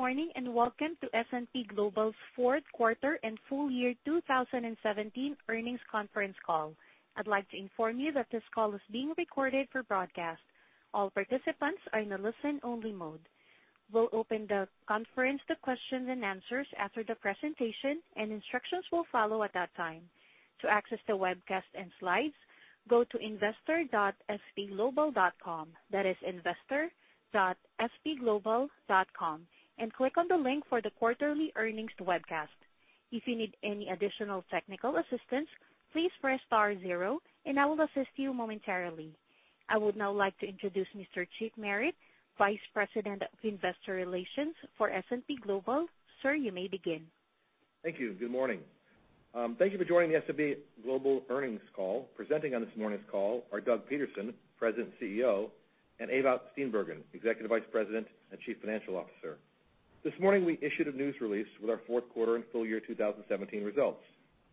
Good morning, and welcome to S&P Global's fourth quarter and full year 2017 earnings conference call. I'd like to inform you that this call is being recorded for broadcast. All participants are in a listen-only mode. We'll open the conference to questions and answers after the presentation, and instructions will follow at that time. To access the webcast and slides, go to investor.spglobal.com. That is investor.spglobal.com, and click on the link for the quarterly earnings webcast. If you need any additional technical assistance, please press star zero, and I will assist you momentarily. I would now like to introduce Mr. Chip Merritt, Vice President of Investor Relations for S&P Global. Sir, you may begin. Thank you. Good morning. Thank you for joining the S&P Global earnings call. Presenting on this morning's call are Doug Peterson, President and CEO, and Ewout Steenbergen, Executive Vice President and Chief Financial Officer. This morning, we issued a news release with our fourth quarter and full year 2017 results.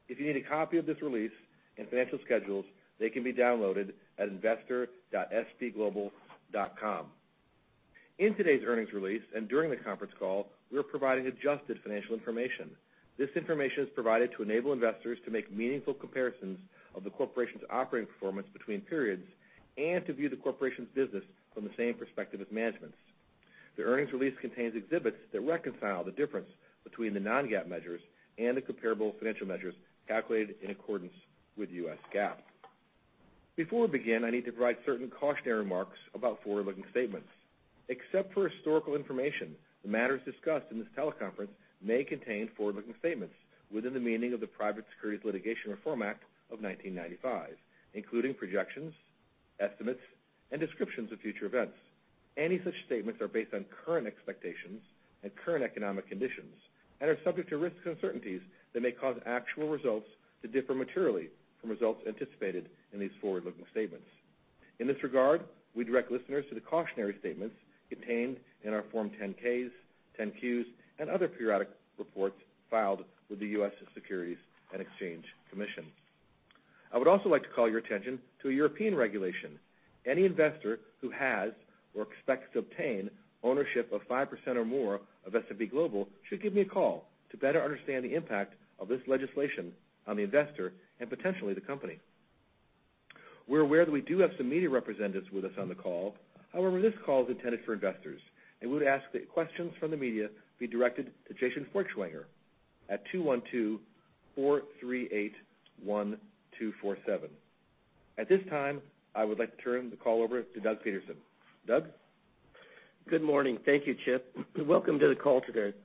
If you need a copy of this release and financial schedules, they can be downloaded at investor.spglobal.com. In today's earnings release and during the conference call, we're providing adjusted financial information. This information is provided to enable investors to make meaningful comparisons of the corporation's operating performance between periods and to view the corporation's business from the same perspective as management. The earnings release contains exhibits that reconcile the difference between the non-GAAP measures and the comparable financial measures calculated in accordance with U.S. GAAP. Before we begin, I need to provide certain cautionary remarks about forward-looking statements. Except for historical information, the matters discussed in this teleconference may contain forward-looking statements within the meaning of the Private Securities Litigation Reform Act of 1995, including projections, estimates, and descriptions of future events. Any such statements are based on current expectations and current economic conditions and are subject to risks and uncertainties that may cause actual results to differ materially from results anticipated in these forward-looking statements. In this regard, we direct listeners to the cautionary statements contained in our Form 10-Ks, 10-Qs, and other periodic reports filed with the U.S. Securities and Exchange Commission. I would also like to call your attention to a European regulation. Any investor who has or expects to obtain ownership of 5% or more of S&P Global should give me a call to better understand the impact of this legislation on the investor and potentially the company. We're aware that we do have some media representatives with us on the call. However, this call is intended for investors, and we would ask that questions from the media be directed to Jason Feuchtwanger at 212-438-1247. At this time, I would like to turn the call over to Doug Peterson. Doug? Good morning. Thank you, Chip. Welcome to the call today.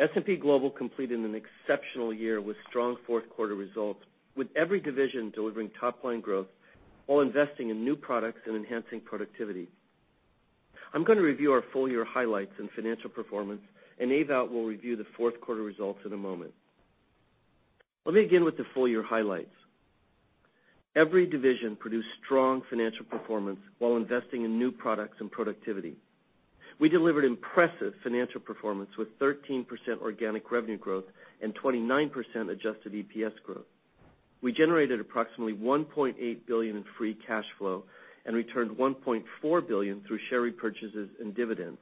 S&P Global completed an exceptional year with strong fourth quarter results, with every division delivering top-line growth while investing in new products and enhancing productivity. I am going to review our full year highlights and financial performance, Ewout will review the fourth quarter results in a moment. Let me begin with the full year highlights. Every division produced strong financial performance while investing in new products and productivity. We delivered impressive financial performance with 13% organic revenue growth and 29% adjusted EPS growth. We generated approximately $1.8 billion in free cash flow and returned $1.4 billion through share repurchases and dividends.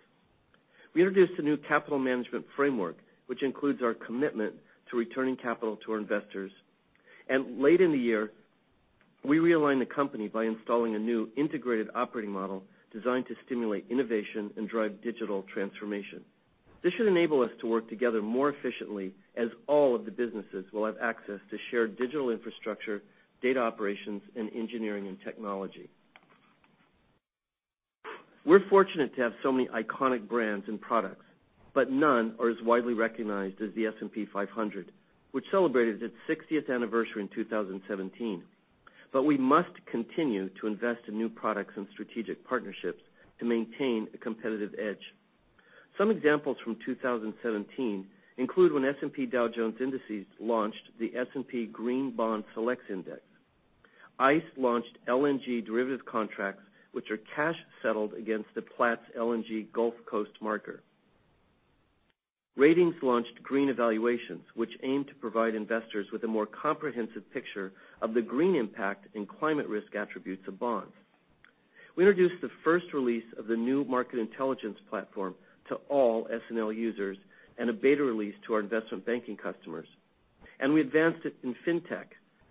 We introduced a new capital management framework, which includes our commitment to returning capital to our investors. Late in the year, we realigned the company by installing a new integrated operating model designed to stimulate innovation and drive digital transformation. This should enable us to work together more efficiently as all of the businesses will have access to shared digital infrastructure, data operations, and engineering and technology. We are fortunate to have so many iconic brands and products, none are as widely recognized as the S&P 500, which celebrated its 60th anniversary in 2017. We must continue to invest in new products and strategic partnerships to maintain a competitive edge. Some examples from 2017 include when S&P Dow Jones Indices launched the S&P Green Bond Select Index. ICE launched LNG derivative contracts, which are cash settled against the Platts LNG Gulf Coast Marker. Ratings launched Green Evaluations, which aim to provide investors with a more comprehensive picture of the green impact and climate risk attributes of bonds. We introduced the first release of the new Market Intelligence platform to all SNL users and a beta release to our investment banking customers. We advanced it in fintech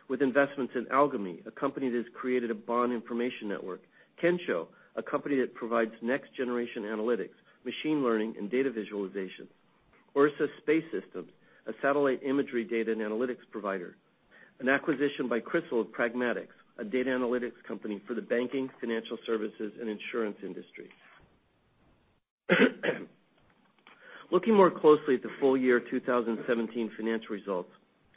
with investments in Algomi, a company that has created a bond information network. Kensho, a company that provides next generation analytics, machine learning, and data visualization. Ursa Space Systems, a satellite imagery data and analytics provider. An acquisition by CRISIL of Pragmatix, a data analytics company for the banking, financial services, and insurance industry. Looking more closely at the full year 2017 financial results,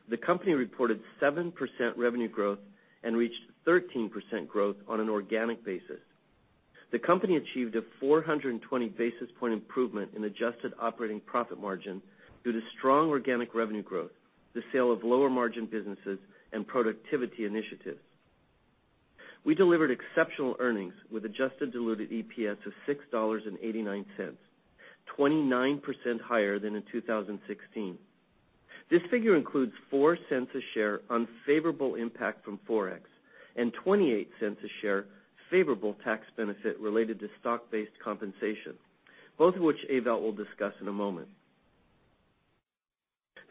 the company reported 7% revenue growth and reached 13% growth on an organic basis. The company achieved a 420 basis point improvement in adjusted operating profit margin due to strong organic revenue growth, the sale of lower margin businesses, and productivity initiatives. We delivered exceptional earnings with adjusted diluted EPS of $6.89, 29% higher than in 2016. This figure includes $0.04 a share unfavorable impact from Forex and $0.28 a share favorable tax benefit related to stock-based compensation, both of which Ewout will discuss in a moment.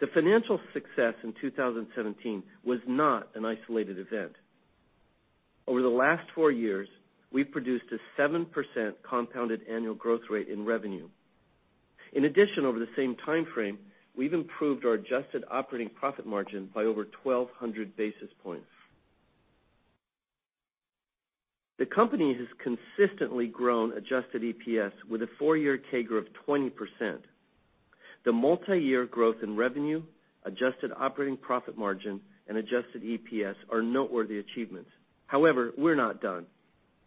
The financial success in 2017 was not an isolated event. Over the last 4 years, we have produced a 7% compounded annual growth rate in revenue. In addition, over the same timeframe, we have improved our adjusted operating profit margin by over 1,200 basis points. The company has consistently grown adjusted EPS with a 4-year CAGR of 20%. The multi-year growth in revenue, adjusted operating profit margin, and adjusted EPS are noteworthy achievements. However, we are not done.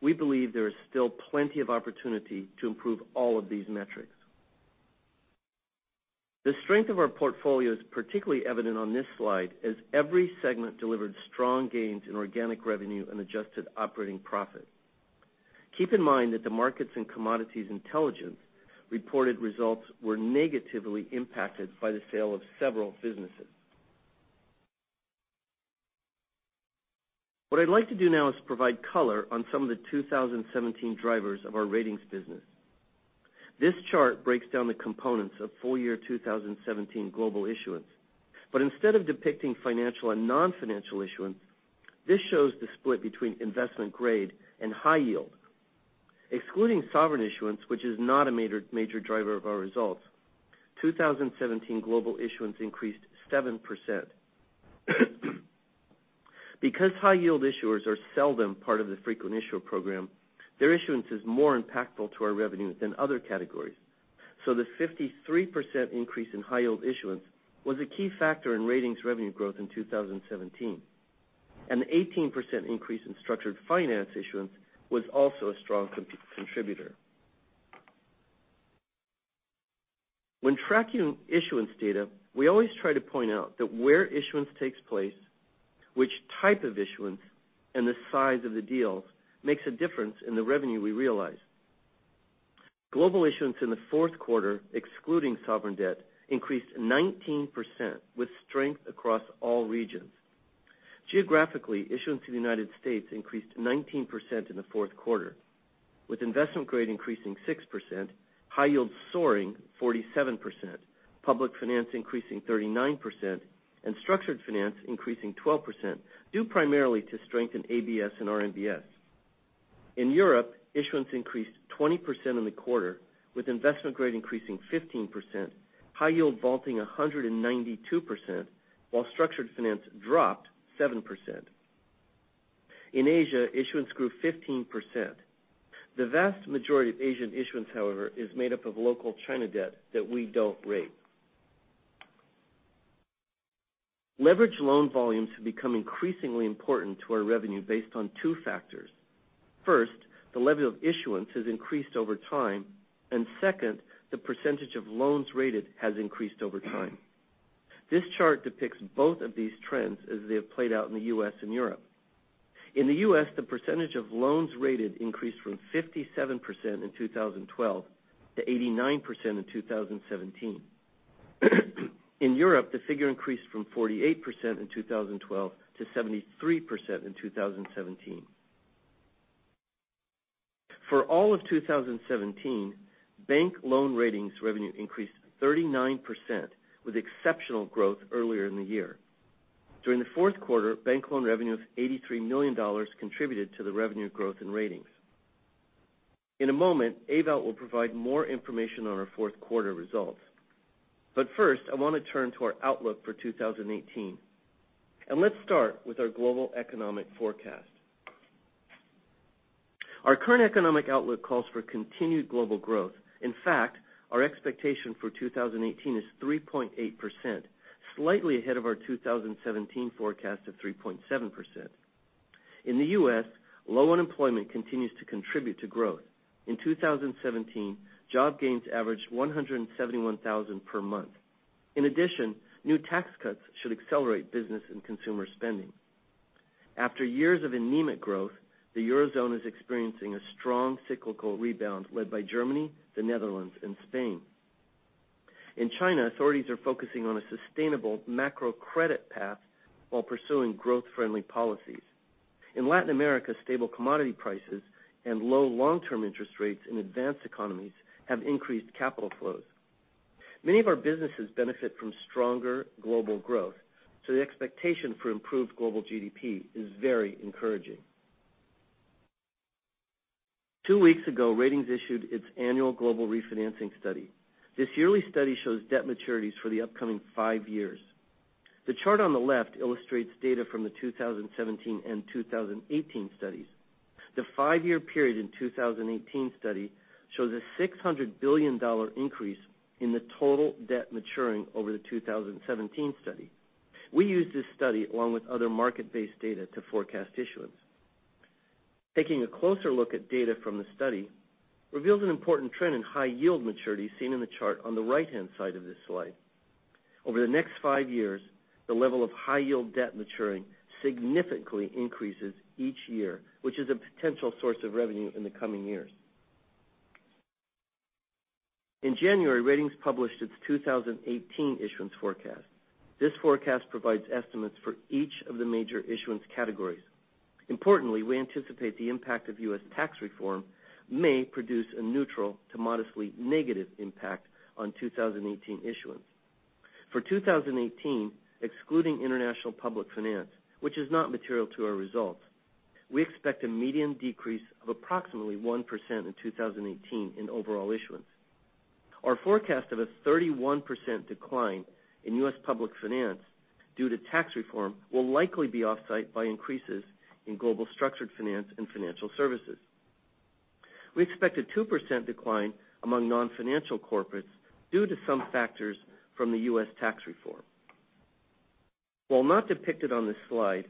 We believe there is still plenty of opportunity to improve all of these metrics. The strength of our portfolio is particularly evident on this slide as every segment delivered strong gains in organic revenue and adjusted operating profit. Keep in mind that the Markets and Commodities Intelligence reported results were negatively impacted by the sale of several businesses. I'd like to do now is provide color on some of the 2017 drivers of our Ratings business. This chart breaks down the components of full-year 2017 global issuance. Instead of depicting financial and non-financial issuance, this shows the split between investment grade and high yield. Excluding sovereign issuance, which is not a major driver of our results, 2017 global issuance increased 7%. Because high yield issuers are seldom part of the frequent issuer program, their issuance is more impactful to our revenue than other categories. The 53% increase in high yield issuance was a key factor in Ratings revenue growth in 2017. An 18% increase in structured finance issuance was also a strong contributor. When tracking issuance data, we always try to point out that where issuance takes place, which type of issuance, and the size of the deals makes a difference in the revenue we realize. Global issuance in the fourth quarter, excluding sovereign debt, increased 19% with strength across all regions. Geographically, issuance in the U.S. increased 19% in the fourth quarter, with investment grade increasing 6%, high yield soaring 47%, public finance increasing 39%, and structured finance increasing 12%, due primarily to strength in ABS and RMBS. In Europe, issuance increased 20% in the quarter, with investment grade increasing 15%, high yield vaulting 192%, while structured finance dropped 7%. In Asia, issuance grew 15%. The vast majority of Asian issuance, however, is made up of local China debt that we don't rate. Leveraged loan volumes have become increasingly important to our revenue based on two factors. First, the level of issuance has increased over time, and second, the percentage of loans rated has increased over time. This chart depicts both of these trends as they have played out in the U.S. and Europe. In the U.S., the percentage of loans rated increased from 57% in 2012 to 89% in 2017. In Europe, the figure increased from 48% in 2012 to 73% in 2017. For all of 2017, bank loan Ratings revenue increased 39%, with exceptional growth earlier in the year. During the fourth quarter, bank loan revenues $83 million contributed to the revenue growth in Ratings. In a moment, Ewout will provide more information on our fourth quarter results. First, I want to turn to our outlook for 2018. Let's start with our global economic forecast. Our current economic outlook calls for continued global growth. In fact, our expectation for 2018 is 3.8%, slightly ahead of our 2017 forecast of 3.7%. In the U.S., low unemployment continues to contribute to growth. In 2017, job gains averaged 171,000 per month. In addition, new tax cuts should accelerate business and consumer spending. After years of anemic growth, the Eurozone is experiencing a strong cyclical rebound led by Germany, the Netherlands, and Spain. In China, authorities are focusing on a sustainable macro credit path while pursuing growth-friendly policies. In Latin America, stable commodity prices and low long-term interest rates in advanced economies have increased capital flows. Many of our businesses benefit from stronger global growth, the expectation for improved global GDP is very encouraging. Two weeks ago, Ratings issued its annual global refinancing study. This yearly study shows debt maturities for the upcoming five years. The chart on the left illustrates data from the 2017 and 2018 studies. The five-year period in 2018 study shows a $600 billion increase in the total debt maturing over the 2017 study. We use this study along with other market-based data to forecast issuance. Taking a closer look at data from the study reveals an important trend in high yield maturities seen in the chart on the right-hand side of this slide. Over the next five years, the level of high-yield debt maturing significantly increases each year, which is a potential source of revenue in the coming years. In January, Ratings published its 2018 issuance forecast. This forecast provides estimates for each of the major issuance categories. We anticipate the impact of U.S. tax reform may produce a neutral to modestly negative impact on 2018 issuance. For 2018, excluding international public finance, which is not material to our results, we expect a median decrease of approximately 1% in 2018 in overall issuance. Our forecast of a 31% decline in U.S. public finance due to tax reform will likely be offset by increases in global structured finance and financial services. We expect a 2% decline among non-financial corporates due to some factors from the U.S. tax reform. While not depicted on this slide,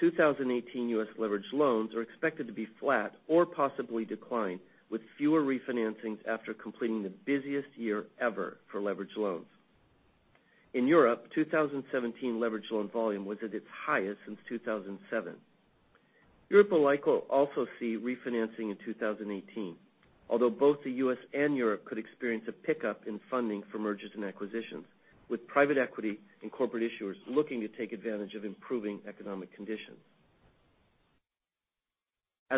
2018 U.S. leverage loans are expected to be flat or possibly decline with fewer refinancings after completing the busiest year ever for leverage loans. In Europe, 2017 leverage loan volume was at its highest since 2007. Europe will likely also see refinancing in 2018, although both the U.S. and Europe could experience a pickup in funding for mergers and acquisitions, with private equity and corporate issuers looking to take advantage of improving economic conditions.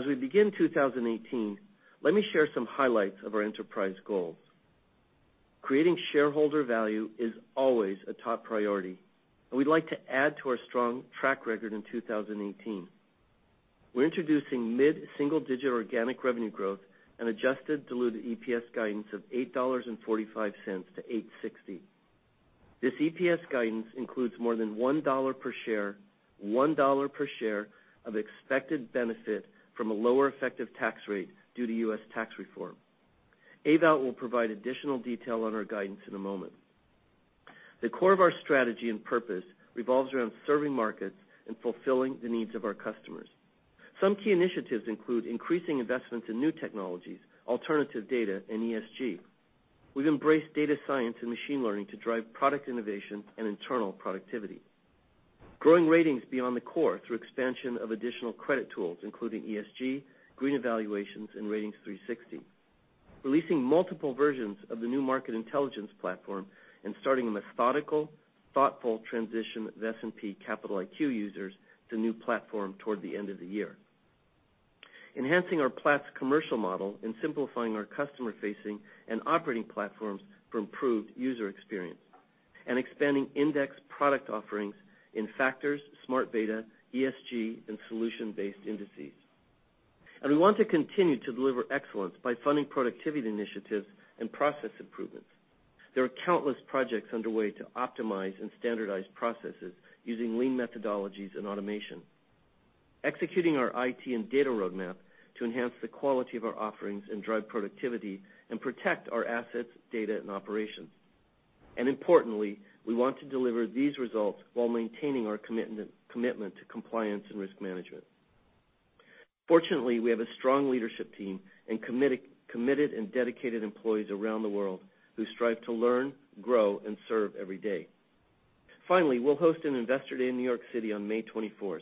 We begin 2018, let me share some highlights of our enterprise goals. Creating shareholder value is always a top priority, we'd like to add to our strong track record in 2018. We're introducing mid-single-digit organic revenue growth and adjusted diluted EPS guidance of $8.45 to $8.60. This EPS guidance includes more than $1 per share of expected benefit from a lower effective tax rate due to U.S. tax reform. Ewout will provide additional detail on our guidance in a moment. The core of our strategy and purpose revolves around serving markets and fulfilling the needs of our customers. Some key initiatives include increasing investments in new technologies, alternative data, and ESG. We've embraced data science and machine learning to drive product innovation and internal productivity. Growing ratings beyond the core through expansion of additional credit tools, including ESG, Green Evaluations, and Ratings360. Releasing multiple versions of the new Market Intelligence Platform and starting a methodical, thoughtful transition of S&P Capital IQ users to the new platform toward the end of the year. Enhancing our Platts commercial model and simplifying our customer-facing and operating platforms for improved user experience. Expanding index product offerings in factors, smart beta, ESG, and solution-based indices. We want to continue to deliver excellence by funding productivity initiatives and process improvements. There are countless projects underway to optimize and standardize processes using lean methodologies and automation. Executing our IT and data roadmap to enhance the quality of our offerings and drive productivity and protect our assets, data, and operations. Importantly, we want to deliver these results while maintaining our commitment to compliance and risk management. Fortunately, we have a strong leadership team and committed and dedicated employees around the world who strive to learn, grow, and serve every day. Finally, we'll host an Investor Day in New York City on May 24th.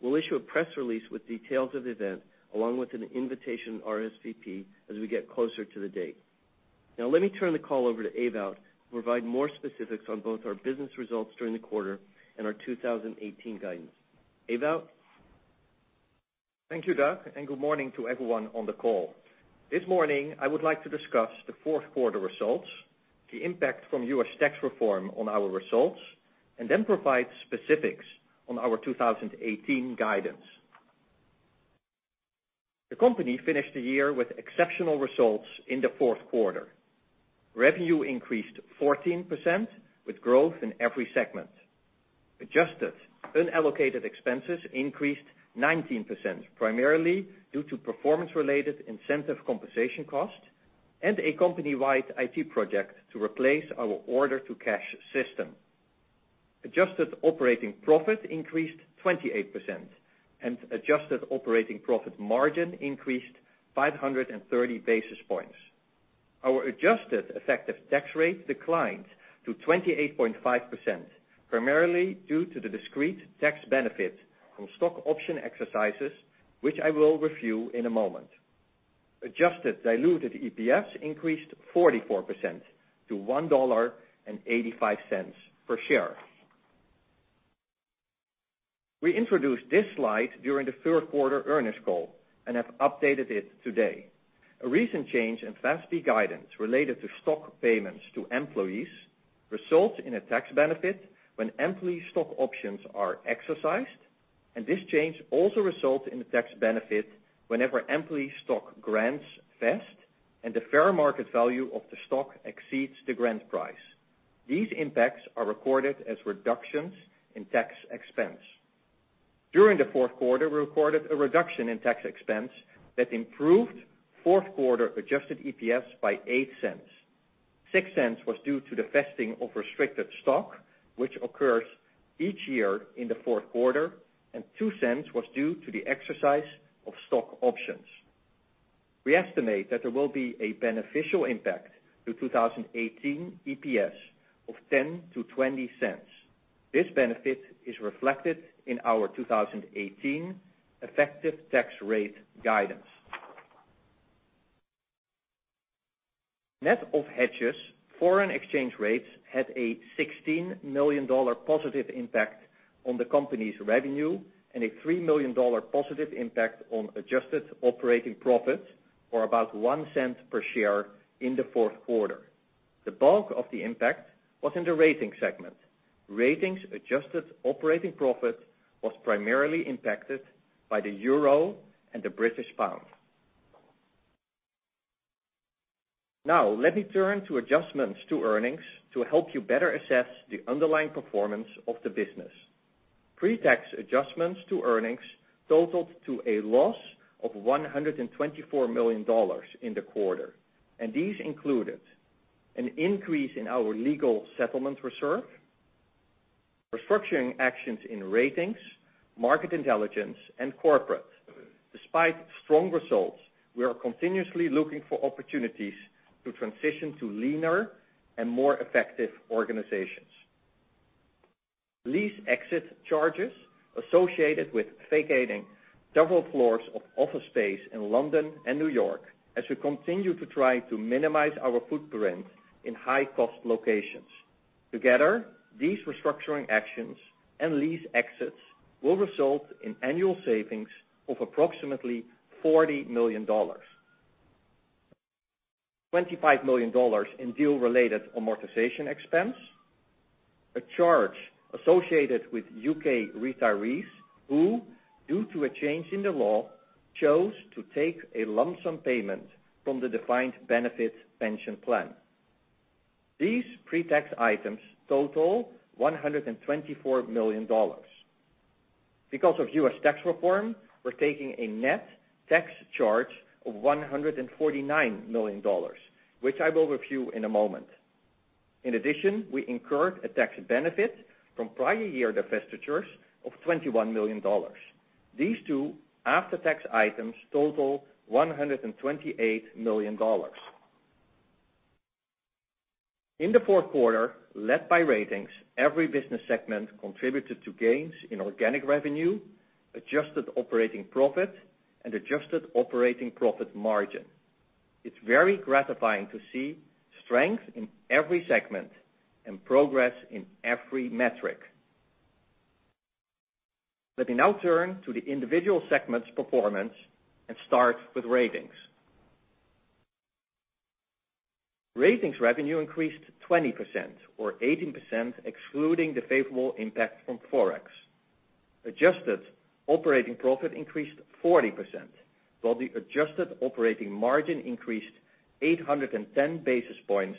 We'll issue a press release with details of the event, along with an invitation RSVP as we get closer to the date. Let me turn the call over to Ewout to provide more specifics on both our business results during the quarter and our 2018 guidance. Ewout? Thank you, Doug, good morning to everyone on the call. This morning, I would like to discuss the fourth quarter results, the impact from U.S. tax reform on our results, provide specifics on our 2018 guidance. The company finished the year with exceptional results in the fourth quarter. Revenue increased 14% with growth in every segment. Adjusted unallocated expenses increased 19%, primarily due to performance-related incentive compensation costs and a company-wide IT project to replace our order-to-cash system. Adjusted operating profit increased 28%, adjusted operating profit margin increased 530 basis points. Our adjusted effective tax rate declined to 28.5%, primarily due to the discrete tax benefit from stock option exercises, which I will review in a moment. Adjusted diluted EPS increased 44% to $1.85 per share. We introduced this slide during the third quarter earnings call and have updated it today. A recent change in FASB guidance related to stock payments to employees results in a tax benefit when employee stock options are exercised, this change also results in a tax benefit whenever employee stock grants vest and the fair market value of the stock exceeds the grant price. These impacts are recorded as reductions in tax expense. During the fourth quarter, we recorded a reduction in tax expense that improved fourth-quarter adjusted EPS by $0.08. $0.06 was due to the vesting of restricted stock, which occurs each year in the fourth quarter, $0.02 was due to the exercise of stock options. We estimate that there will be a beneficial impact to 2018 EPS of $0.10 to $0.20. This benefit is reflected in our 2018 effective tax rate guidance. Net of hedges, foreign exchange rates had a $16 million positive impact on the company's revenue, a $3 million positive impact on adjusted operating profit, or about $0.01 per share in the fourth quarter. The bulk of the impact was in the Ratings segment. Ratings adjusted operating profit was primarily impacted by the EUR and the GBP. Let me turn to adjustments to earnings to help you better assess the underlying performance of the business. Pre-tax adjustments to earnings totaled to a loss of $124 million in the quarter, these included an increase in our legal settlement reserve, restructuring actions in Ratings, Market Intelligence, and corporate. Despite strong results, we are continuously looking for opportunities to transition to leaner and more effective organizations. Lease exit charges associated with vacating several floors of office space in London and New York as we continue to try to minimize our footprint in high-cost locations. Together, these restructuring actions and lease exits will result in annual savings of approximately $40 million. $25 million in deal-related amortization expense. A charge associated with U.K. retirees who, due to a change in the law, chose to take a lump sum payment from the defined benefit pension plan. These pre-tax items total $124 million. Because of U.S. tax reform, we're taking a net tax charge of $149 million, which I will review in a moment. We incurred a tax benefit from prior year divestitures of $21 million. These two after-tax items total $128 million. In the fourth quarter, led by Ratings, every business segment contributed to gains in organic revenue, adjusted operating profit, and adjusted operating profit margin. It's very gratifying to see strength in every segment and progress in every metric. Let me now turn to the individual segments' performance and start with Ratings. Ratings revenue increased 20%, or 18% excluding the favorable impact from forex. Adjusted operating profit increased 40%, while the adjusted operating margin increased 810 basis points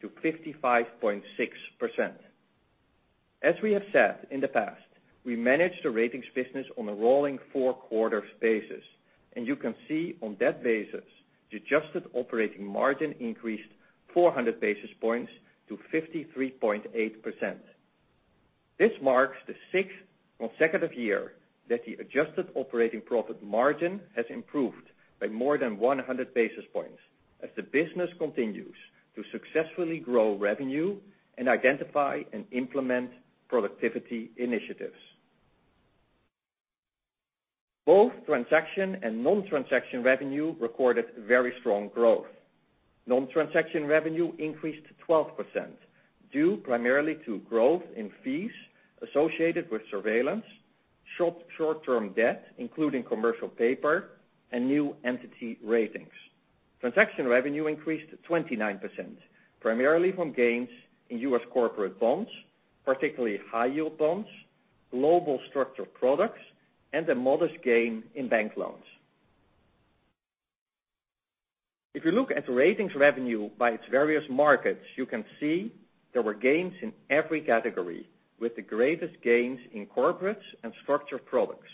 to 55.6%. As we have said in the past, we manage the Ratings business on a rolling four quarters basis, and you can see on that basis, the adjusted operating margin increased 400 basis points to 53.8%. This marks the sixth consecutive year that the adjusted operating profit margin has improved by more than 100 basis points as the business continues to successfully grow revenue and identify and implement productivity initiatives. Both transaction and non-transaction revenue recorded very strong growth. Non-transaction revenue increased 12%, due primarily to growth in fees associated with surveillance, short-term debt, including commercial paper, and new entity Ratings. Transaction revenue increased 29%, primarily from gains in U.S. corporate bonds, particularly high yield bonds, global structured products, and a modest gain in bank loans. If you look at the Ratings revenue by its various markets, you can see there were gains in every category, with the greatest gains in corporates and structured products.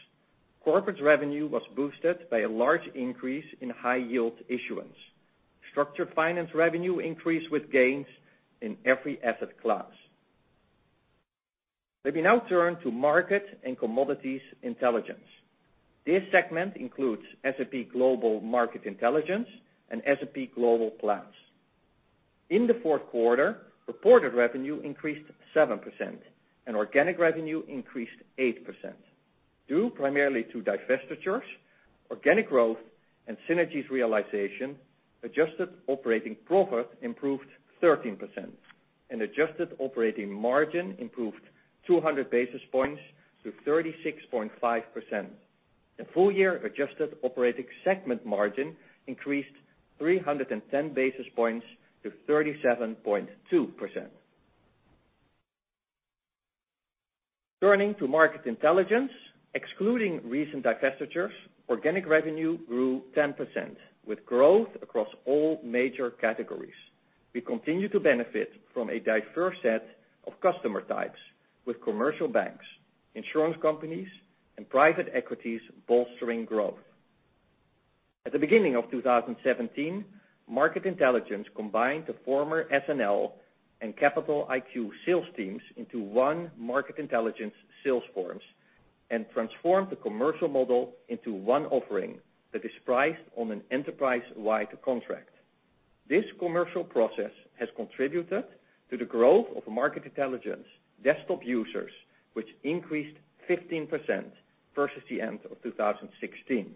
Corporate revenue was boosted by a large increase in high yield issuance. Structured finance revenue increased with gains in every asset class. Let me now turn to Market and Commodities Intelligence. This segment includes S&P Global Market Intelligence and S&P Global Platts. In the fourth quarter, reported revenue increased 7% and organic revenue increased 8%. Due primarily to divestitures, organic growth, and synergies realization, adjusted operating profit improved 13% and adjusted operating margin improved 200 basis points to 36.5%. The full-year adjusted operating segment margin increased 310 basis points to 37.2%. Turning to Market Intelligence, excluding recent divestitures, organic revenue grew 10% with growth across all major categories. We continue to benefit from a diverse set of customer types with commercial banks, insurance companies, and private equities bolstering growth. At the beginning of 2017, Market Intelligence combined the former SNL and Capital IQ sales teams into one Market Intelligence sales force. Transform the commercial model into one offering that is priced on an enterprise-wide contract. This commercial process has contributed to the growth of Market Intelligence desktop users, which increased 15% versus the end of 2016.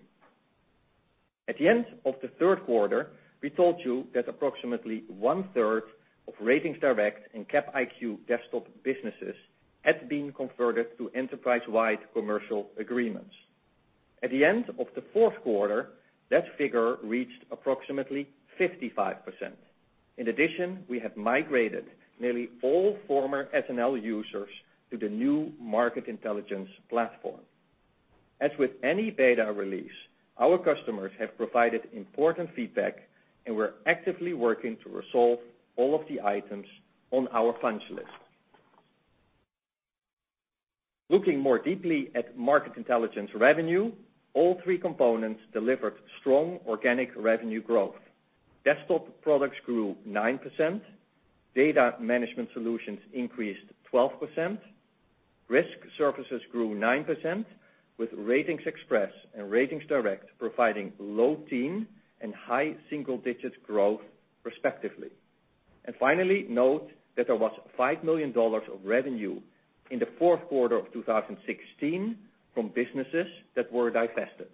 At the end of the third quarter, we told you that approximately one-third of RatingsDirect and Cap IQ desktop businesses had been converted to enterprise-wide commercial agreements. At the end of the fourth quarter, that figure reached approximately 55%. In addition, we have migrated nearly all former SNL users to the new Market Intelligence platform. As with any beta release, our customers have provided important feedback, and we're actively working to resolve all of the items on our punch list. Looking more deeply at Market Intelligence revenue, all three components delivered strong organic revenue growth. Desktop products grew 9%, data management solutions increased 12%, risk services grew 9%, with RatingsXpress and RatingsDirect providing low-teen and high single-digit growth respectively. Finally, note that there was $5 million of revenue in the fourth quarter of 2016 from businesses that were divested.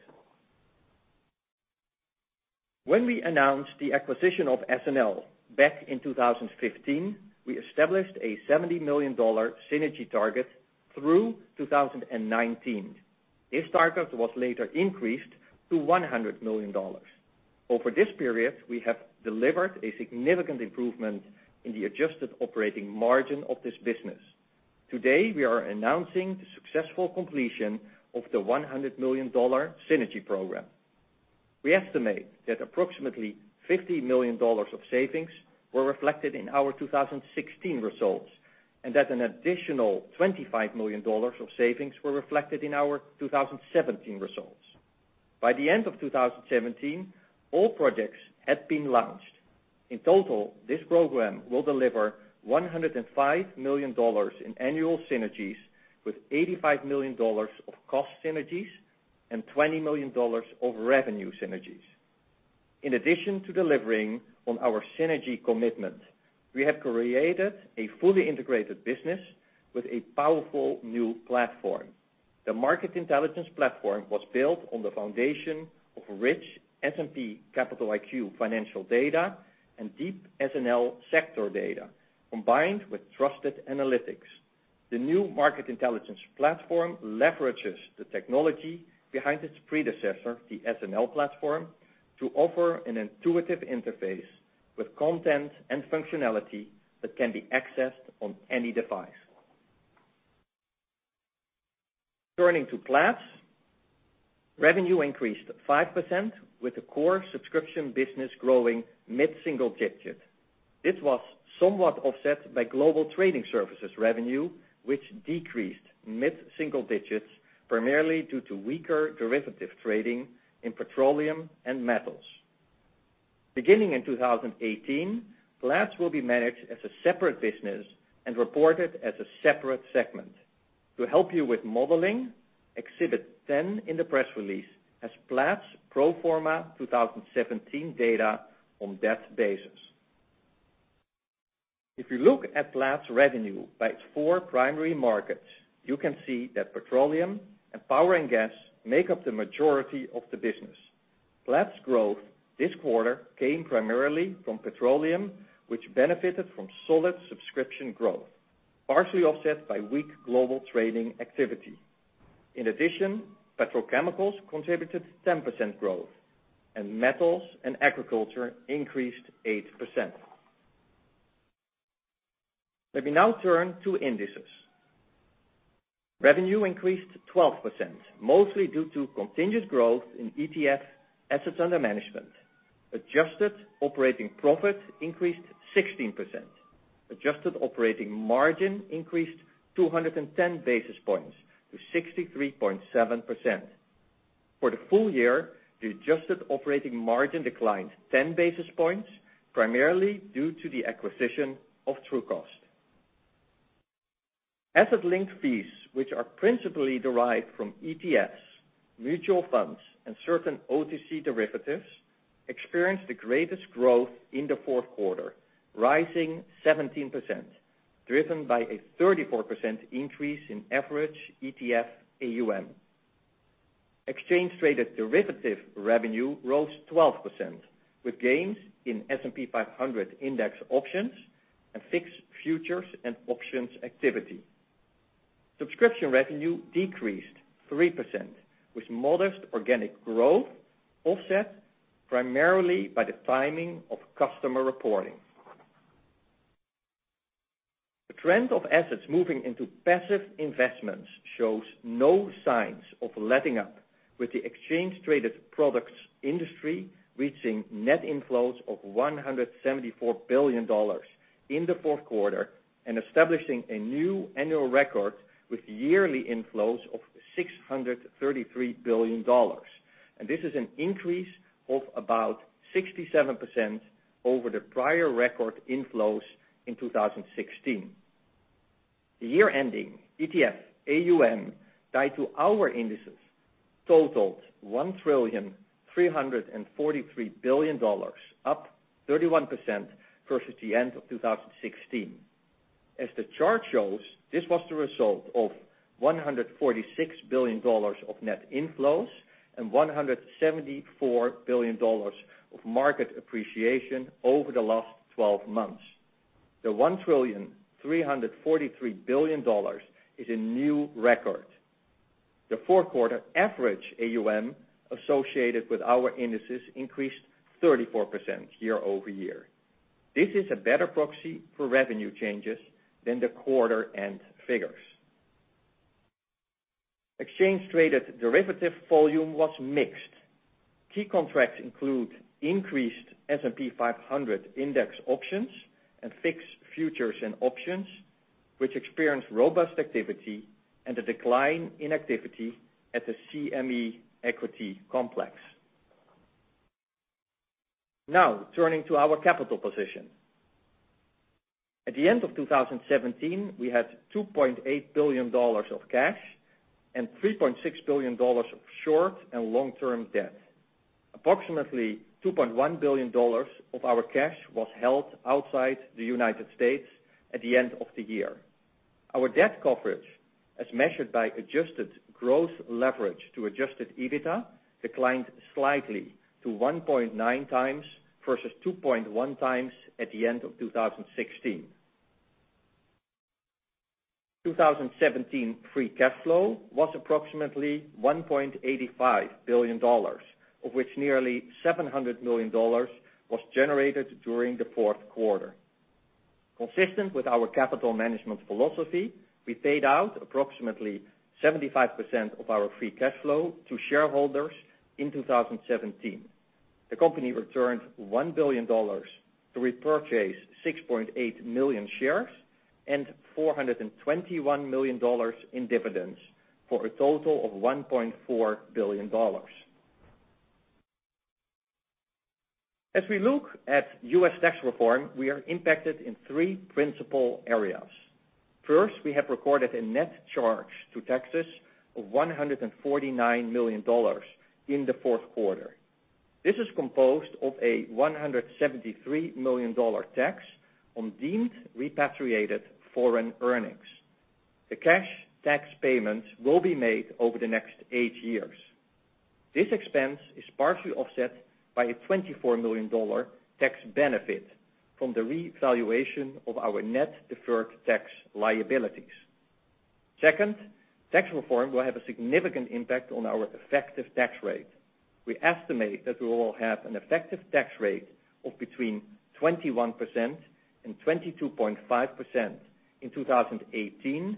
When we announced the acquisition of SNL back in 2015, we established a $70 million synergy target through 2019. This target was later increased to $100 million. Over this period, we have delivered a significant improvement in the adjusted operating margin of this business. Today, we are announcing the successful completion of the $100 million synergy program. We estimate that approximately $50 million of savings were reflected in our 2016 results, and that an additional $25 million of savings were reflected in our 2017 results. By the end of 2017, all projects had been launched. In total, this program will deliver $105 million in annual synergies with $85 million of cost synergies and $20 million of revenue synergies. In addition to delivering on our synergy commitment, we have created a fully integrated business with a powerful new platform. The Market Intelligence platform was built on the foundation of rich S&P Capital IQ financial data and deep SNL sector data, combined with trusted analytics. The new Market Intelligence platform leverages the technology behind its predecessor, the SNL platform, to offer an intuitive interface with content and functionality that can be accessed on any device. Turning to Platts, revenue increased 5% with the core subscription business growing mid-single digits. This was somewhat offset by global trading services revenue, which decreased mid-single digits, primarily due to weaker derivative trading in petroleum and metals. Beginning in 2018, Platts will be managed as a separate business and reported as a separate segment. To help you with modeling, exhibit 10 in the press release has Platts pro forma 2017 data on that basis. If you look at Platts revenue by its four primary markets, you can see that petroleum and power and gas make up the majority of the business. Platts growth this quarter came primarily from petroleum, which benefited from solid subscription growth, partially offset by weak global trading activity. In addition, petrochemicals contributed 10% growth, and metals and agriculture increased 8%. Let me now turn to Indices. Revenue increased 12%, mostly due to continued growth in ETF assets under management. Adjusted operating profit increased 16%. Adjusted operating margin increased 210 basis points to 63.7%. For the full year, the adjusted operating margin declined 10 basis points, primarily due to the acquisition of Trucost. Asset link fees, which are principally derived from ETFs, mutual funds, and certain OTC derivatives, experienced the greatest growth in the fourth quarter, rising 17%, driven by a 34% increase in average ETF AUM. Exchange-traded derivative revenue rose 12%, with gains in S&P 500 index options and fixed futures and options activity. Subscription revenue decreased 3%, with modest organic growth offset primarily by the timing of customer reporting. The trend of assets moving into passive investments shows no signs of letting up with the exchange-traded products industry reaching net inflows of $174 billion in the fourth quarter and establishing a new annual record with yearly inflows of $633 billion. This is an increase of about 67% over the prior record inflows in 2016. The year-ending ETF AUM tied to our indices totaled $1.343 trillion, up 31% versus the end of 2016. As the chart shows, this was the result of $146 billion of net inflows and $174 billion of market appreciation over the last 12 months. The $1.343 trillion is a new record. The fourth quarter average AUM associated with our indices increased 34% year-over-year. This is a better proxy for revenue changes than the quarter end figures. Exchange-traded derivative volume was mixed. Key contracts include increased S&P 500 index options and fixed futures and options, which experienced robust activity and a decline in activity at the CME equity complex. Turning to our capital position. At the end of 2017, we had $2.8 billion of cash and $3.6 billion of short and long-term debt. Approximately $2.1 billion of our cash was held outside the U.S. at the end of the year. Our debt coverage, as measured by adjusted gross leverage to adjusted EBITDA, declined slightly to 1.9 times versus 2.1 times at the end of 2016. 2017 free cash flow was approximately $1.85 billion, of which nearly $700 million was generated during the fourth quarter. Consistent with our capital management philosophy, we paid out approximately 75% of our free cash flow to shareholders in 2017. The company returned $1 billion to repurchase 6.8 million shares and $421 million in dividends for a total of $1.4 billion. As we look at U.S. tax reform, we are impacted in three principal areas. First, we have recorded a net charge to taxes of $149 million in the fourth quarter. This is composed of a $173 million tax on deemed repatriated foreign earnings. The cash tax payments will be made over the next eight years. This expense is partially offset by a $24 million tax benefit from the revaluation of our net deferred tax liabilities. Second, tax reform will have a significant impact on our effective tax rate. We estimate that we will have an effective tax rate of between 21% and 22.5% in 2018,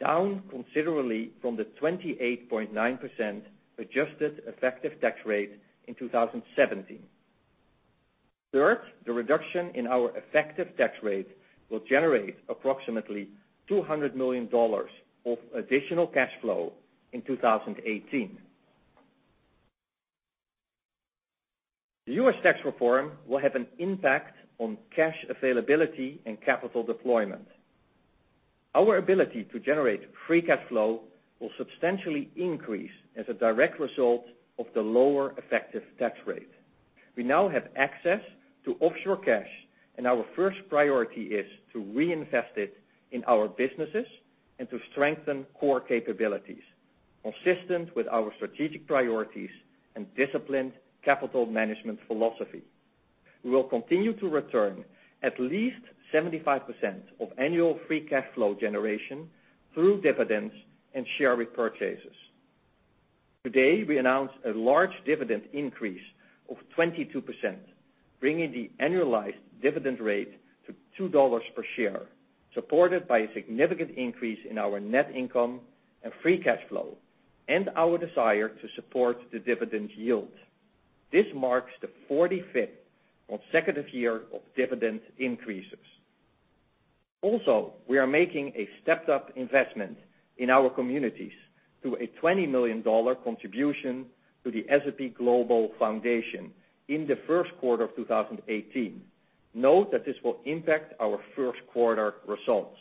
down considerably from the 28.9% adjusted effective tax rate in 2017. Third, the reduction in our effective tax rate will generate approximately $200 million of additional cash flow in 2018. The U.S. tax reform will have an impact on cash availability and capital deployment. Our ability to generate free cash flow will substantially increase as a direct result of the lower effective tax rate. We now have access to offshore cash. Our first priority is to reinvest it in our businesses and to strengthen core capabilities consistent with our strategic priorities and disciplined capital management philosophy. We will continue to return at least 75% of annual free cash flow generation through dividends and share repurchases. Today, we announced a large dividend increase of 22%, bringing the annualized dividend rate to $2 per share, supported by a significant increase in our net income and free cash flow, and our desire to support the dividend yield. This marks the 45th consecutive year of dividend increases. Also, we are making a stepped-up investment in our communities through a $20 million contribution to the S&P Global Foundation in the first quarter of 2018. Note that this will impact our first quarter results.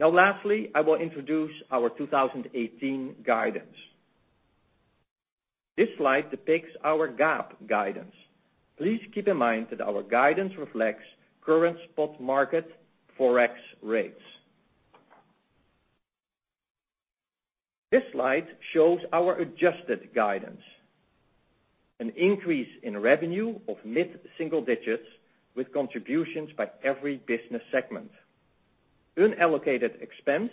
Lastly, I will introduce our 2018 guidance. This slide depicts our GAAP guidance. Please keep in mind that our guidance reflects current spot market Forex rates. This slide shows our adjusted guidance. An increase in revenue of mid-single digits with contributions by every business segment. Unallocated expense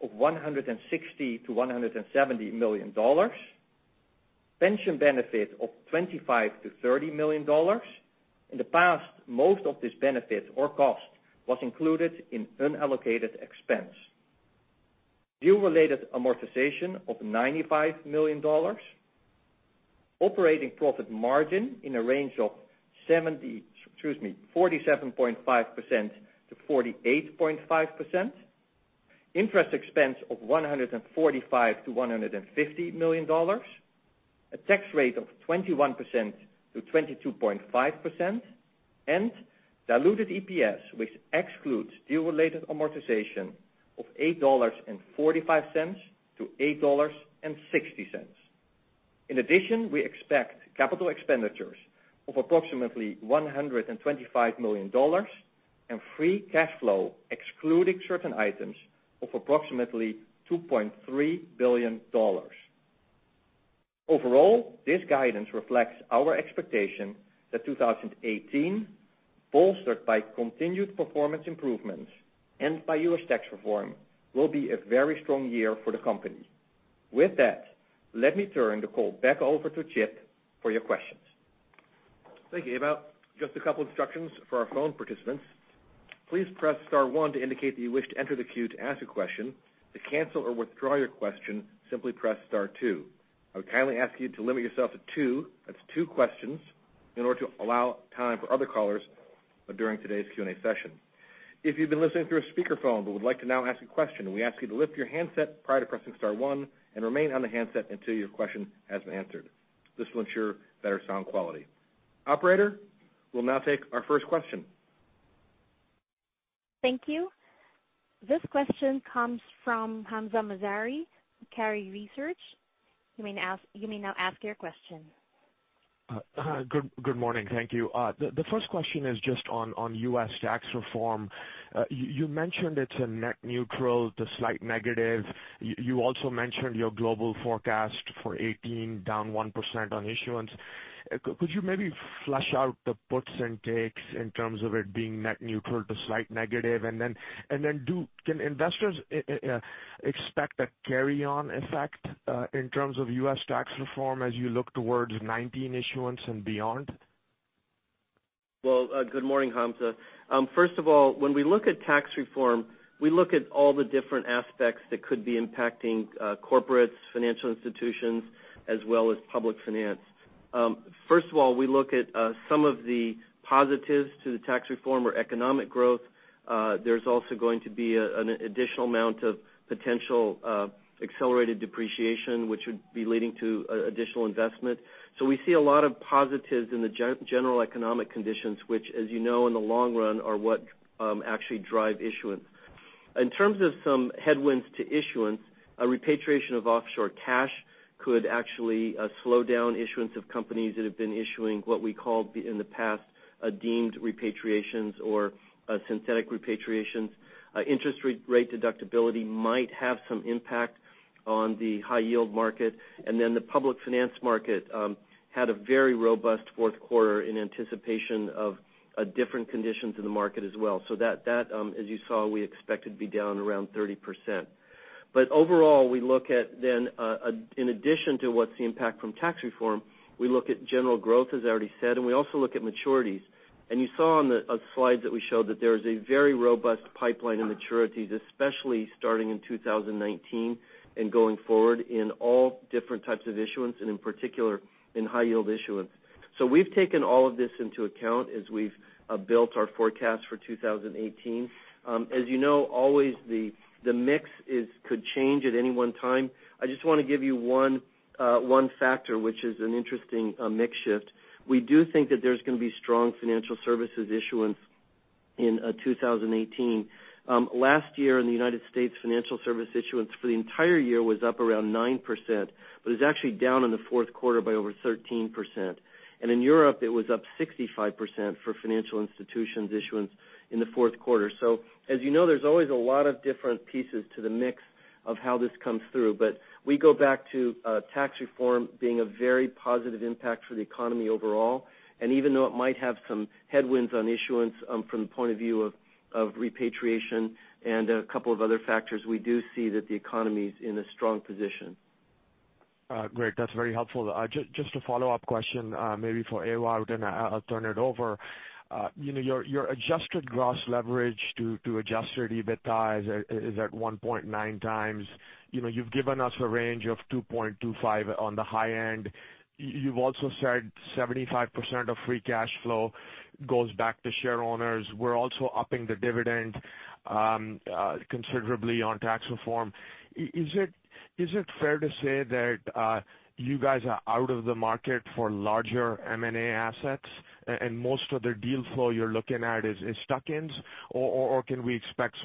of $160 million-$170 million. Pension benefit of $25 million-$30 million. In the past, most of this benefit or cost was included in unallocated expense. Deal-related amortization of $95 million. Operating profit margin in a range of 47.5%-48.5%. Interest expense of $145 million-$150 million. A tax rate of 21%-22.5%. Diluted EPS, which excludes deal-related amortization of $8.45-$8.60. In addition, we expect capital expenditures of approximately $125 million and free cash flow excluding certain items of approximately $2.3 billion. Overall, this guidance reflects our expectation that 2018, bolstered by continued performance improvements and by U.S. tax reform, will be a very strong year for the company. With that, let me turn the call back over to Chip for your questions. Thank you, Ewout. Just a couple instructions for our phone participants. Please press star one to indicate that you wish to enter the queue to ask a question. To cancel or withdraw your question, simply press star two. I would kindly ask you to limit yourself to two, that's two questions, in order to allow time for other callers during today's Q&A session. If you've been listening through a speakerphone but would like to now ask a question, we ask you to lift your handset prior to pressing star one and remain on the handset until your question has been answered. This will ensure better sound quality. Operator, we'll now take our first question. Thank you. This question comes from Hamzah Mazari, Macquarie Research. You may now ask your question. Good morning. Thank you. The first question is just on U.S. tax reform. You mentioned it's a net neutral to slight negative. You also mentioned your global forecast for 2018, down 1% on issuance. Could you maybe flesh out the puts and takes in terms of it being net neutral to slight negative? Can investors expect a carry-on effect in terms of U.S. tax reform as you look towards 2019 issuance and beyond? Good morning, Hamzah. First of all, when we look at tax reform, we look at all the different aspects that could be impacting corporates, financial institutions, as well as public finance. First of all, we look at some of the positives to the tax reform or economic growth. There's also going to be an additional amount of potential accelerated depreciation, which would be leading to additional investment. We see a lot of positives in the general economic conditions, which, as you know, in the long run, are what actually drive issuance. In terms of some headwinds to issuance, a repatriation of offshore cash could actually slow down issuance of companies that have been issuing what we called in the past, deemed repatriations or synthetic repatriations. Interest rate deductibility might have some impact on the high yield market. The public finance market had a very robust fourth quarter in anticipation of different conditions in the market as well. That, as you saw, we expect it to be down around 30%. Overall, we look at then, in addition to what's the impact from tax reform, we look at general growth, as I already said, and we also look at maturities. You saw on the slides that we showed that there is a very robust pipeline of maturities, especially starting in 2019 and going forward in all different types of issuance, and in particular in high yield issuance. We've taken all of this into account as we've built our forecast for 2018. As you know, always the mix could change at any one time. I just want to give you one factor, which is an interesting mix shift. We do think that there's going to be strong financial services issuance in 2018. Last year in the U.S., financial service issuance for the entire year was up around 9%, but is actually down in the fourth quarter by over 13%. In Europe, it was up 65% for financial institutions issuance in the fourth quarter. As you know, there's always a lot of different pieces to the mix of how this comes through. We go back to tax reform being a very positive impact for the economy overall. Even though it might have some headwinds on issuance from the point of view of repatriation and a couple of other factors, we do see that the economy's in a strong position. Great. That's very helpful. Just a follow-up question, maybe for Eva, then I'll turn it over. Your adjusted gross leverage to adjusted EBITDA is at 1.9x. You've given us a range of 2.25 on the high end. You've also said 75% of free cash flow goes back to share owners. We're also upping the dividend considerably on tax reform. Is it fair to say that you guys are out of the market for larger M&A assets and most of the deal flow you're looking at is stock-ins? Or can we expect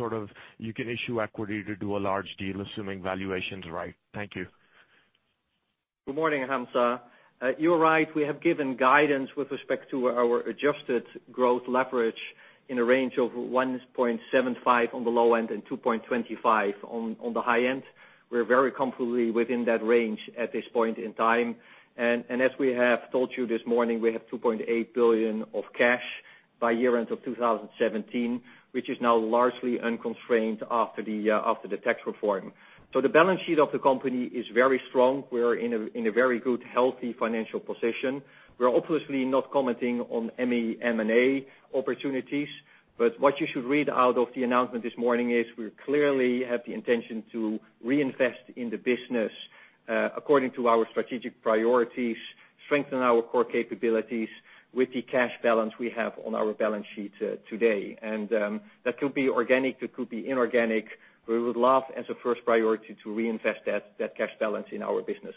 you can issue equity to do a large deal, assuming valuation's right? Thank you. Good morning, Hamzah. You're right. We have given guidance with respect to our adjusted growth leverage in a range of 1.75 on the low end and 2.25 on the high end. We're very comfortably within that range at this point in time. As we have told you this morning, we have $2.8 billion of cash by year-end of 2017, which is now largely unconstrained after the tax reform. The balance sheet of the company is very strong. We're in a very good, healthy financial position. We're obviously not commenting on any M&A opportunities, but what you should read out of the announcement this morning is we clearly have the intention to reinvest in the business according to our strategic priorities, strengthen our core capabilities with the cash balance we have on our balance sheet today. That could be organic, it could be inorganic. We would love, as a first priority, to reinvest that cash balance in our business.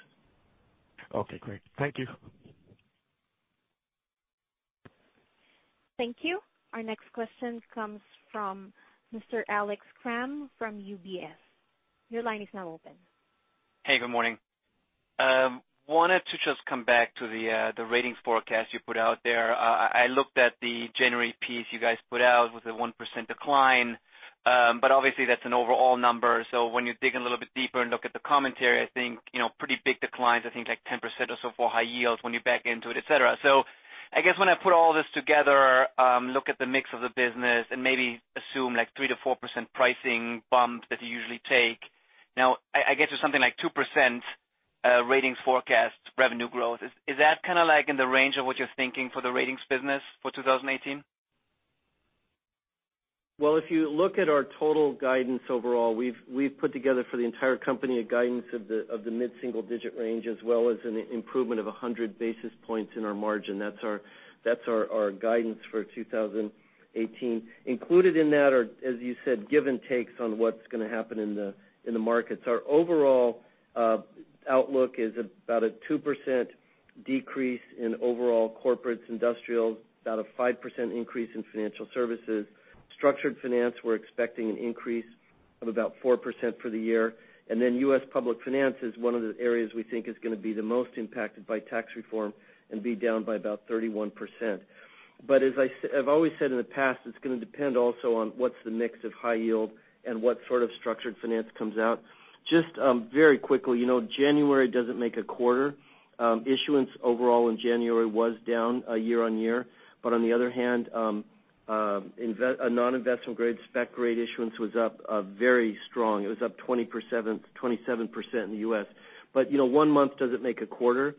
Okay, great. Thank you. Thank you. Our next question comes from Mr. Alex Kramm from UBS. Your line is now open. Hey, good morning. Wanted to just come back to the ratings forecast you put out there. I looked at the January piece you guys put out with a 1% decline. Obviously, that's an overall number. When you dig a little bit deeper and look at the commentary, I think like 10% or so for high yields when you back into it, et cetera. I guess when I put all this together, look at the mix of the business and maybe assume like 3%-4% pricing bump that you usually take. Now, I get to something like 2% ratings forecast revenue growth. Is that kind of like in the range of what you're thinking for the ratings business for 2018? Well, if you look at our total guidance overall, we've put together for the entire company a guidance of the mid-single-digit range, as well as an improvement of 100 basis points in our margin. That's our guidance for 2018. Included in that are, as you said, give and takes on what's going to happen in the markets. Our overall outlook is about a 2% decrease in overall corporates, industrials, about a 5% increase in financial services. Structured finance, we're expecting an increase of about 4% for the year. U.S. public finance is one of the areas we think is going to be the most impacted by tax reform and be down by about 31%. As I've always said in the past, it's going to depend also on what's the mix of high yield and what sort of structured finance comes out. Just very quickly, January doesn't make a quarter. Issuance overall in January was down year-on-year. On the other hand, a non-investment grade, spec grade issuance was up very strong. It was up 27% in the U.S. One month doesn't make a quarter.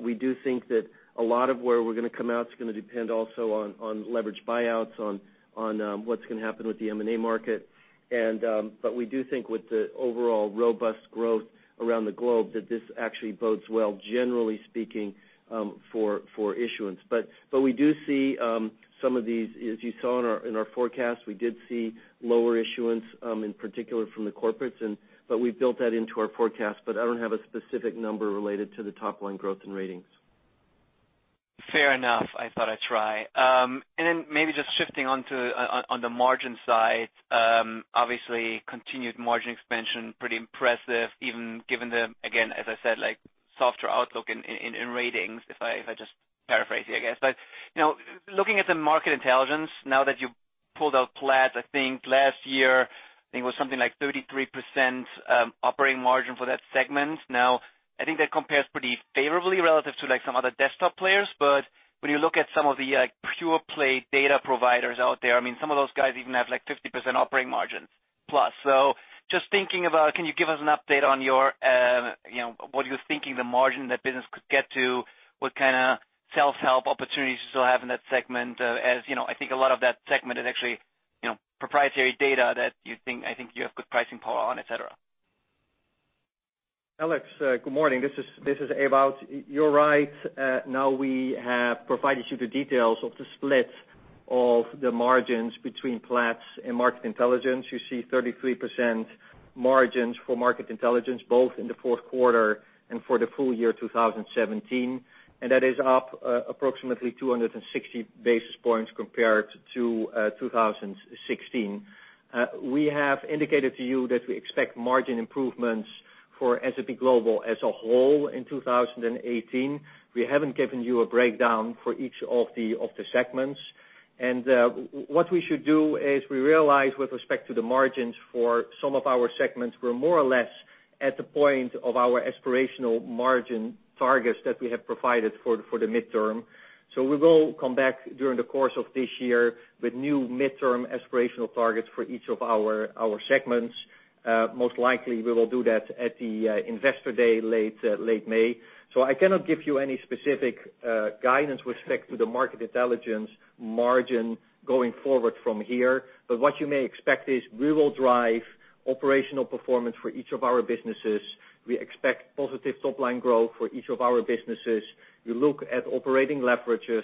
We do think that a lot of where we're going to come out is going to depend also on leveraged buyouts, on what's going to happen with the M&A market. We do think with the overall robust growth around the globe that this actually bodes well, generally speaking, for issuance. We do see some of these. As you saw in our forecast, we did see lower issuance, in particular from the corporates. We've built that into our forecast. I don't have a specific number related to the top-line growth in ratings. Fair enough. I thought I'd try. Then maybe just shifting on the margin side, obviously continued margin expansion, pretty impressive, even given the, again, as I said, softer outlook in Ratings. If I just paraphrase you, I guess. Looking at the Market Intelligence now that you pulled out Platts, I think last year, I think it was something like 33% operating margin for that segment. I think that compares pretty favorably relative to some other desktop players. When you look at some of the pure-play data providers out there, some of those guys even have 50% operating margins plus. Just thinking about, can you give us an update on what you're thinking the margin that business could get to, what kind of self-help opportunities you still have in that segment? I think a lot of that segment is actually proprietary data that I think you have good pricing power on, et cetera. Alex, good morning. This is Ewout. You're right. We have provided you the details of the split of the margins between Platts and Market Intelligence. You see 33% margins for Market Intelligence, both in the fourth quarter and for the full year 2017, and that is up approximately 260 basis points compared to 2016. We have indicated to you that we expect margin improvements for S&P Global as a whole in 2018. We haven't given you a breakdown for each of the segments. What we should do is we realize with respect to the margins for some of our segments, we're more or less at the point of our aspirational margin targets that we have provided for the midterm. We will come back during the course of this year with new midterm aspirational targets for each of our segments. Most likely we will do that at the Investor Day late May. I cannot give you any specific guidance with respect to the Market Intelligence margin going forward from here. What you may expect is we will drive operational performance for each of our businesses. We expect positive top-line growth for each of our businesses. We look at operating leverages,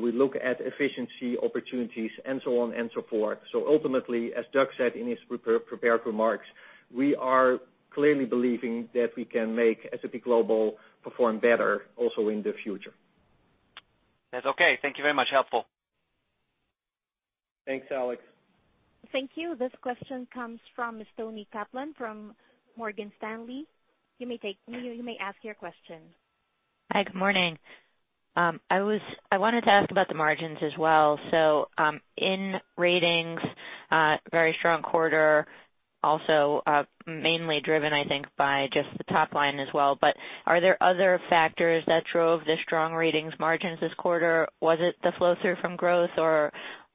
we look at efficiency opportunities, and so on and so forth. Ultimately, as Doug said in his prepared remarks, we are clearly believing that we can make S&P Global perform better also in the future. That's okay. Thank you very much. Helpful. Thanks, Alex. Thank you. This question comes from Toni Kaplan from Morgan Stanley. You may ask your question. Hi, good morning. I wanted to ask about the margins as well. In ratings, very strong quarter also, mainly driven, I think, by just the top line as well. Are there other factors that drove the strong ratings margins this quarter? Was it the flow-through from growth or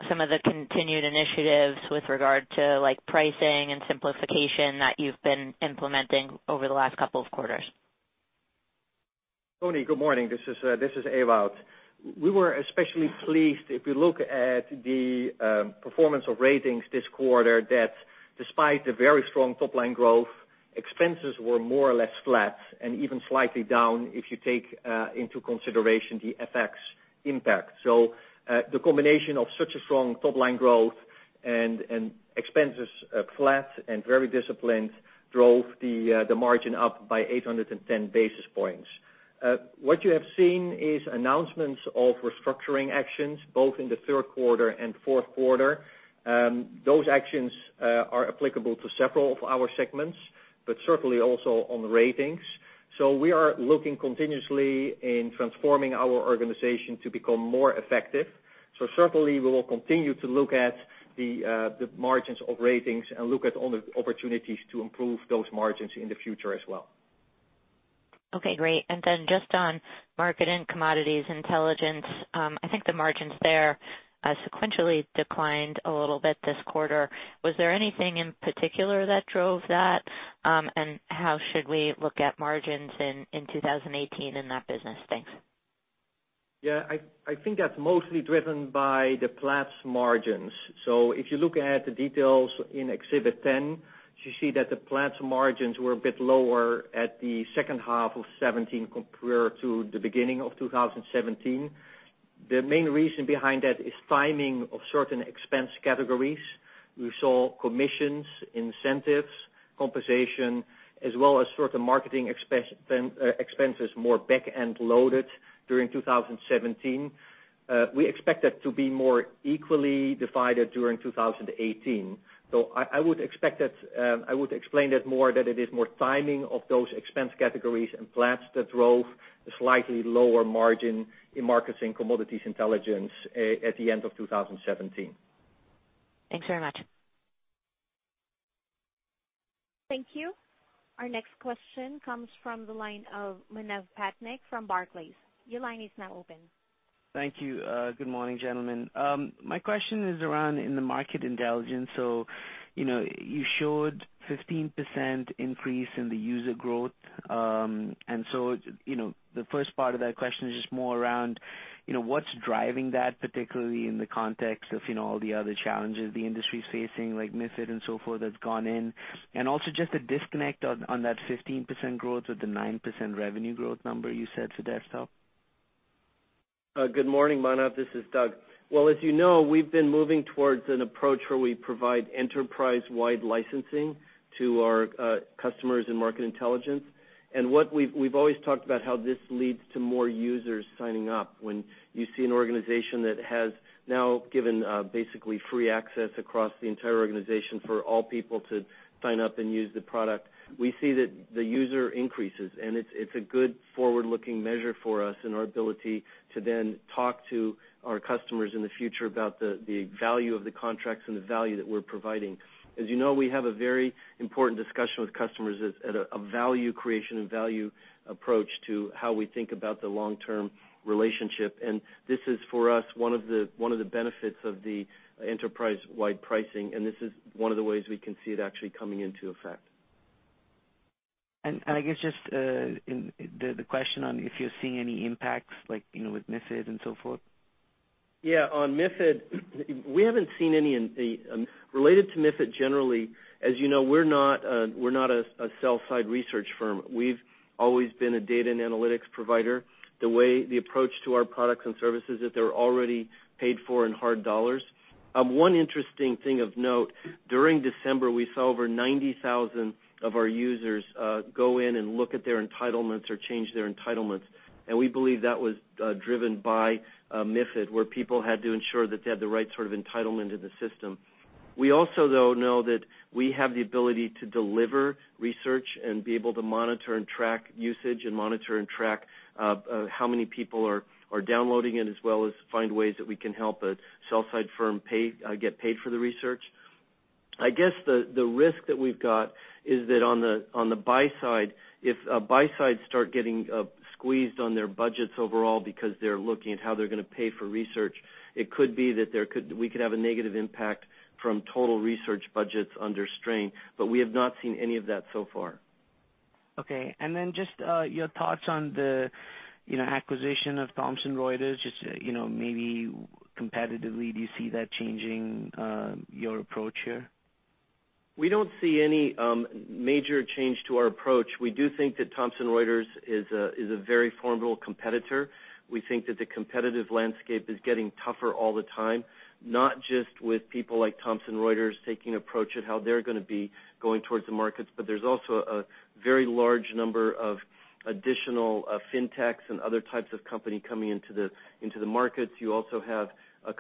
some of the continued initiatives with regard to pricing and simplification that you've been implementing over the last couple of quarters? Toni, good morning. This is Ewout. We were especially pleased, if you look at the performance of S&P Global Ratings this quarter, that despite the very strong top-line growth, expenses were more or less flat and even slightly down if you take into consideration the FX impact. The combination of such a strong top-line growth and expenses flat and very disciplined, drove the margin up by 810 basis points. What you have seen is announcements of restructuring actions, both in the third quarter and fourth quarter. Those actions are applicable to several of our segments, but certainly also on the S&P Global Ratings. We are looking continuously in transforming our organization to become more effective. Certainly we will continue to look at the margins of S&P Global Ratings and look at all the opportunities to improve those margins in the future as well. Okay, great. Just on Market & Commodities Intelligence, I think the margins there sequentially declined a little bit this quarter. Was there anything in particular that drove that? And how should we look at margins in 2018 in that business? Thanks. Yeah, I think that's mostly driven by the Platts margins. If you look at the details in exhibit 10, you see that the Platts margins were a bit lower at the second half of 2017 compared to the beginning of 2017. The main reason behind that is timing of certain expense categories. We saw commissions, incentives, compensation, as well as certain marketing expenses more back-end loaded during 2017. We expect that to be more equally divided during 2018. I would explain that more that it is more timing of those expense categories and Platts that drove a slightly lower margin in Market & Commodities Intelligence at the end of 2017. Thanks very much. Thank you. Our next question comes from the line of Manav Patnaik from Barclays. Your line is now open. Thank you. Good morning, gentlemen. My question is around in the Market Intelligence. You showed 15% increase in the user growth. The first part of that question is just more around what's driving that, particularly in the context of all the other challenges the industry's facing, like MiFID and so forth that's gone in, also just the disconnect on that 15% growth with the 9% revenue growth number you said, [inaudible] Doug. Good morning, Manav. This is Doug. Well, as you know, we've been moving towards an approach where we provide enterprise-wide licensing to our customers in Market Intelligence. We've always talked about how this leads to more users signing up. When you see an organization that has now given basically free access across the entire organization for all people to sign up and use the product, we see that the user increases, and it's a good forward-looking measure for us in our ability to then talk to our customers in the future about the value of the contracts and the value that we're providing. As you know, we have a very important discussion with customers at a value creation and value approach to how we think about the long-term relationship. This is for us, one of the benefits of the enterprise-wide pricing, and this is one of the ways we can see it actually coming into effect. I guess just the question on if you're seeing any impacts, like with MiFID and so forth. Yeah. On MiFID, we haven't seen any. Related to MiFID generally, as you know, we're not a sell side research firm. We've always been a data and analytics provider. The approach to our products and services, that they're already paid for in hard dollars. One interesting thing of note, during December, we saw over 90,000 of our users go in and look at their entitlements or change their entitlements. We believe that was driven by MiFID, where people had to ensure that they had the right sort of entitlement in the system. We also, though, know that we have the ability to deliver research and be able to monitor and track usage and monitor and track how many people are downloading it, as well as find ways that we can help a sell side firm get paid for the research. I guess the risk that we've got is that on the buy side, if a buy side start getting squeezed on their budgets overall because they're looking at how they're going to pay for research, it could be that we could have a negative impact from total research budgets under strain. We have not seen any of that so far. Okay. Then just your thoughts on the acquisition of Thomson Reuters, just maybe competitively, do you see that changing your approach here? We don't see any major change to our approach. We do think that Thomson Reuters is a very formidable competitor. We think that the competitive landscape is getting tougher all the time, not just with people like Thomson Reuters taking approach at how they're going to be going towards the markets, but there's also a very large number of additional fintechs and other types of company coming into the markets. You also have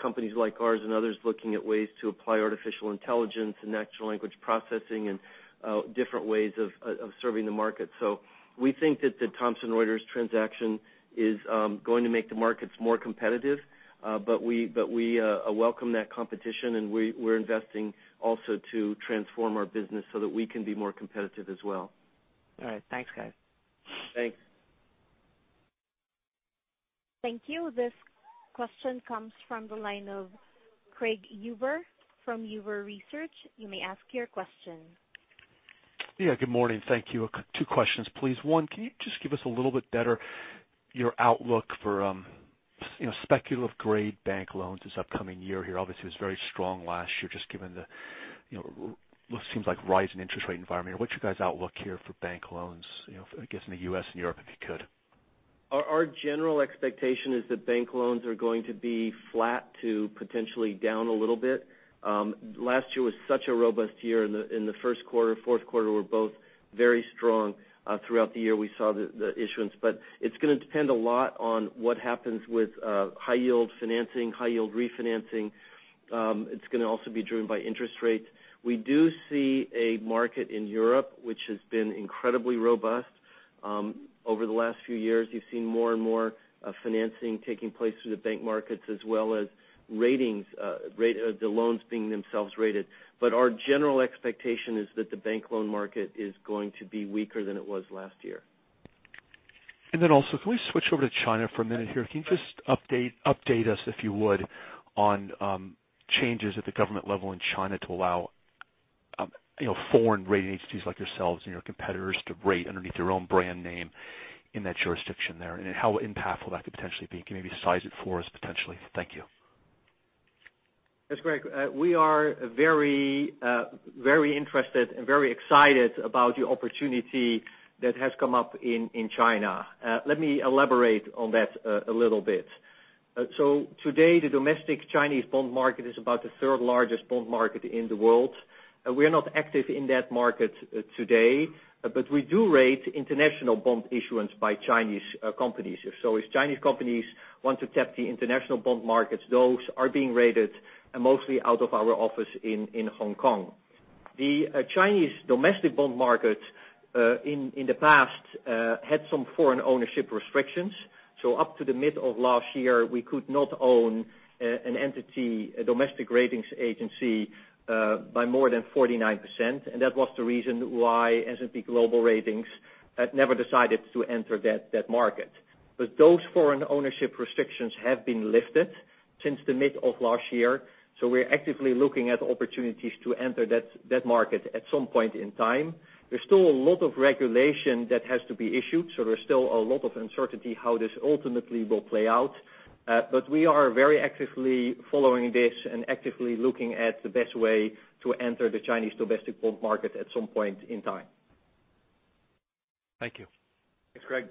companies like ours and others looking at ways to apply artificial intelligence and natural language processing and different ways of serving the market. We think that the Thomson Reuters transaction is going to make the markets more competitive. We welcome that competition, and we're investing also to transform our business so that we can be more competitive as well. All right. Thanks, guys. Thanks. Thank you. This question comes from the line of Craig Huber from Huber Research. You may ask your question. Yeah, good morning. Thank you. Two questions, please. One, can you just give us a little bit better your outlook for speculative grade bank loans this upcoming year here? Obviously, it was very strong last year, just given what seems like a rise in interest rate environment. What's your guys' outlook here for bank loans, I guess, in the U.S. and Europe, if you could? Our general expectation is that bank loans are going to be flat to potentially down a little bit. Last year was such a robust year. The first quarter, fourth quarter were both very strong. Throughout the year, we saw the issuance. It's going to depend a lot on what happens with high yield financing, high yield refinancing. It's going to also be driven by interest rates. We do see a market in Europe which has been incredibly robust. Over the last few years, you've seen more and more financing taking place through the bank markets as well as the loans being themselves rated. Our general expectation is that the bank loan market is going to be weaker than it was last year. Can we switch over to China for a minute here? Can you just update us, if you would, on changes at the government level in China to allow foreign rating agencies like yourselves and your competitors to rate underneath your own brand name in that jurisdiction there, and how impactful that could potentially be? Can you maybe size it for us potentially? Thank you. Yes, Craig. We are very interested and very excited about the opportunity that has come up in China. Let me elaborate on that a little bit. Today, the domestic Chinese bond market is about the third largest bond market in the world. We are not active in that market today, but we do rate international bond issuance by Chinese companies. If Chinese companies want to tap the international bond markets, those are being rated mostly out of our office in Hong Kong. The Chinese domestic bond market, in the past, had some foreign ownership restrictions. Up to the mid of last year, we could not own an entity, a domestic ratings agency, by more than 49%. That was the reason why S&P Global Ratings had never decided to enter that market. Those foreign ownership restrictions have been lifted since the mid of last year. We're actively looking at opportunities to enter that market at some point in time. There's still a lot of regulation that has to be issued, so there's still a lot of uncertainty how this ultimately will play out. We are very actively following this and actively looking at the best way to enter the Chinese domestic bond market at some point in time. Thank you. Thanks, Craig.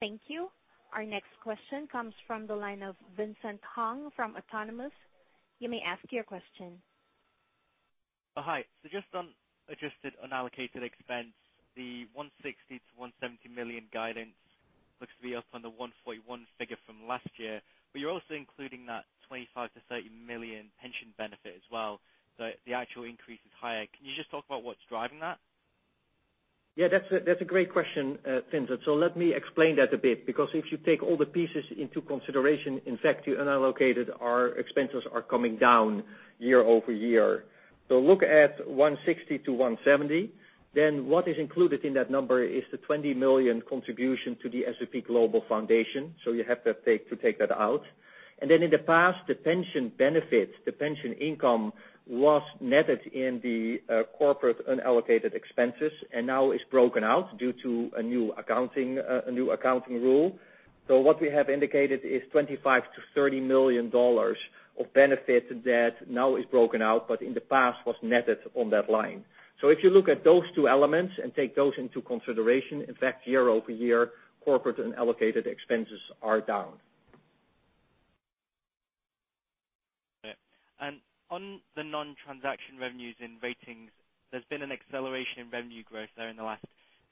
Thank you. Our next question comes from the line of Vincent Hong from Autonomous. You may ask your question. Hi. Just on adjusted unallocated expense, the $160 million-$170 million guidance looks to be up on the 141 figure from last year, you're also including that $25 million-$30 million pension benefit as well. The actual increase is higher. Can you just talk about what's driving that? Yeah, that's a great question, Vincent. Let me explain that a bit, because if you take all the pieces into consideration, in fact, your unallocated expenses are coming down year-over-year. Look at 160 to 170. What is included in that number is the $20 million contribution to the S&P Global Foundation. You have to take that out. In the past, the pension benefit, the pension income, was netted in the corporate unallocated expenses and now is broken out due to a new accounting rule. What we have indicated is $25 million to $30 million of benefit that now is broken out, but in the past was netted on that line. If you look at those two elements and take those into consideration, in fact, year-over-year, corporate unallocated expenses are down. Okay. On the non-transaction revenues in Ratings, there has been an acceleration in revenue growth there in the last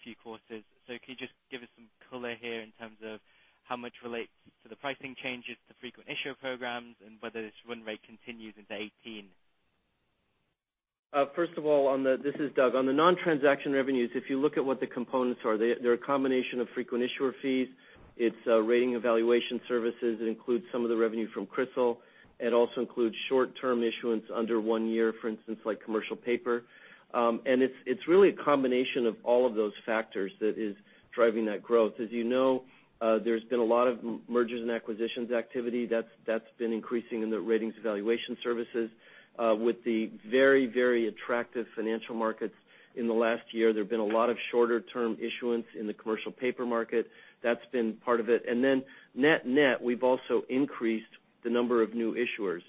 few quarters. Can you just give us some color here in terms of how much relates to the pricing changes to frequent issuer programs and whether this run rate continues into 2018? First of all, this is Doug. On the non-transaction revenues, if you look at what the components are, they are a combination of frequent issuer fees. It is rating evaluation services. It includes some of the revenue from CRISIL. It also includes short-term issuance under one year, for instance, like commercial paper. It is really a combination of all of those factors that is driving that growth. As you know, there has been a lot of mergers and acquisitions activity that has been increasing in the ratings evaluation services. With the very attractive financial markets in the last year, there have been a lot of shorter-term issuance in the commercial paper market. That has been part of it. Net, we have also increased the number of new issuers.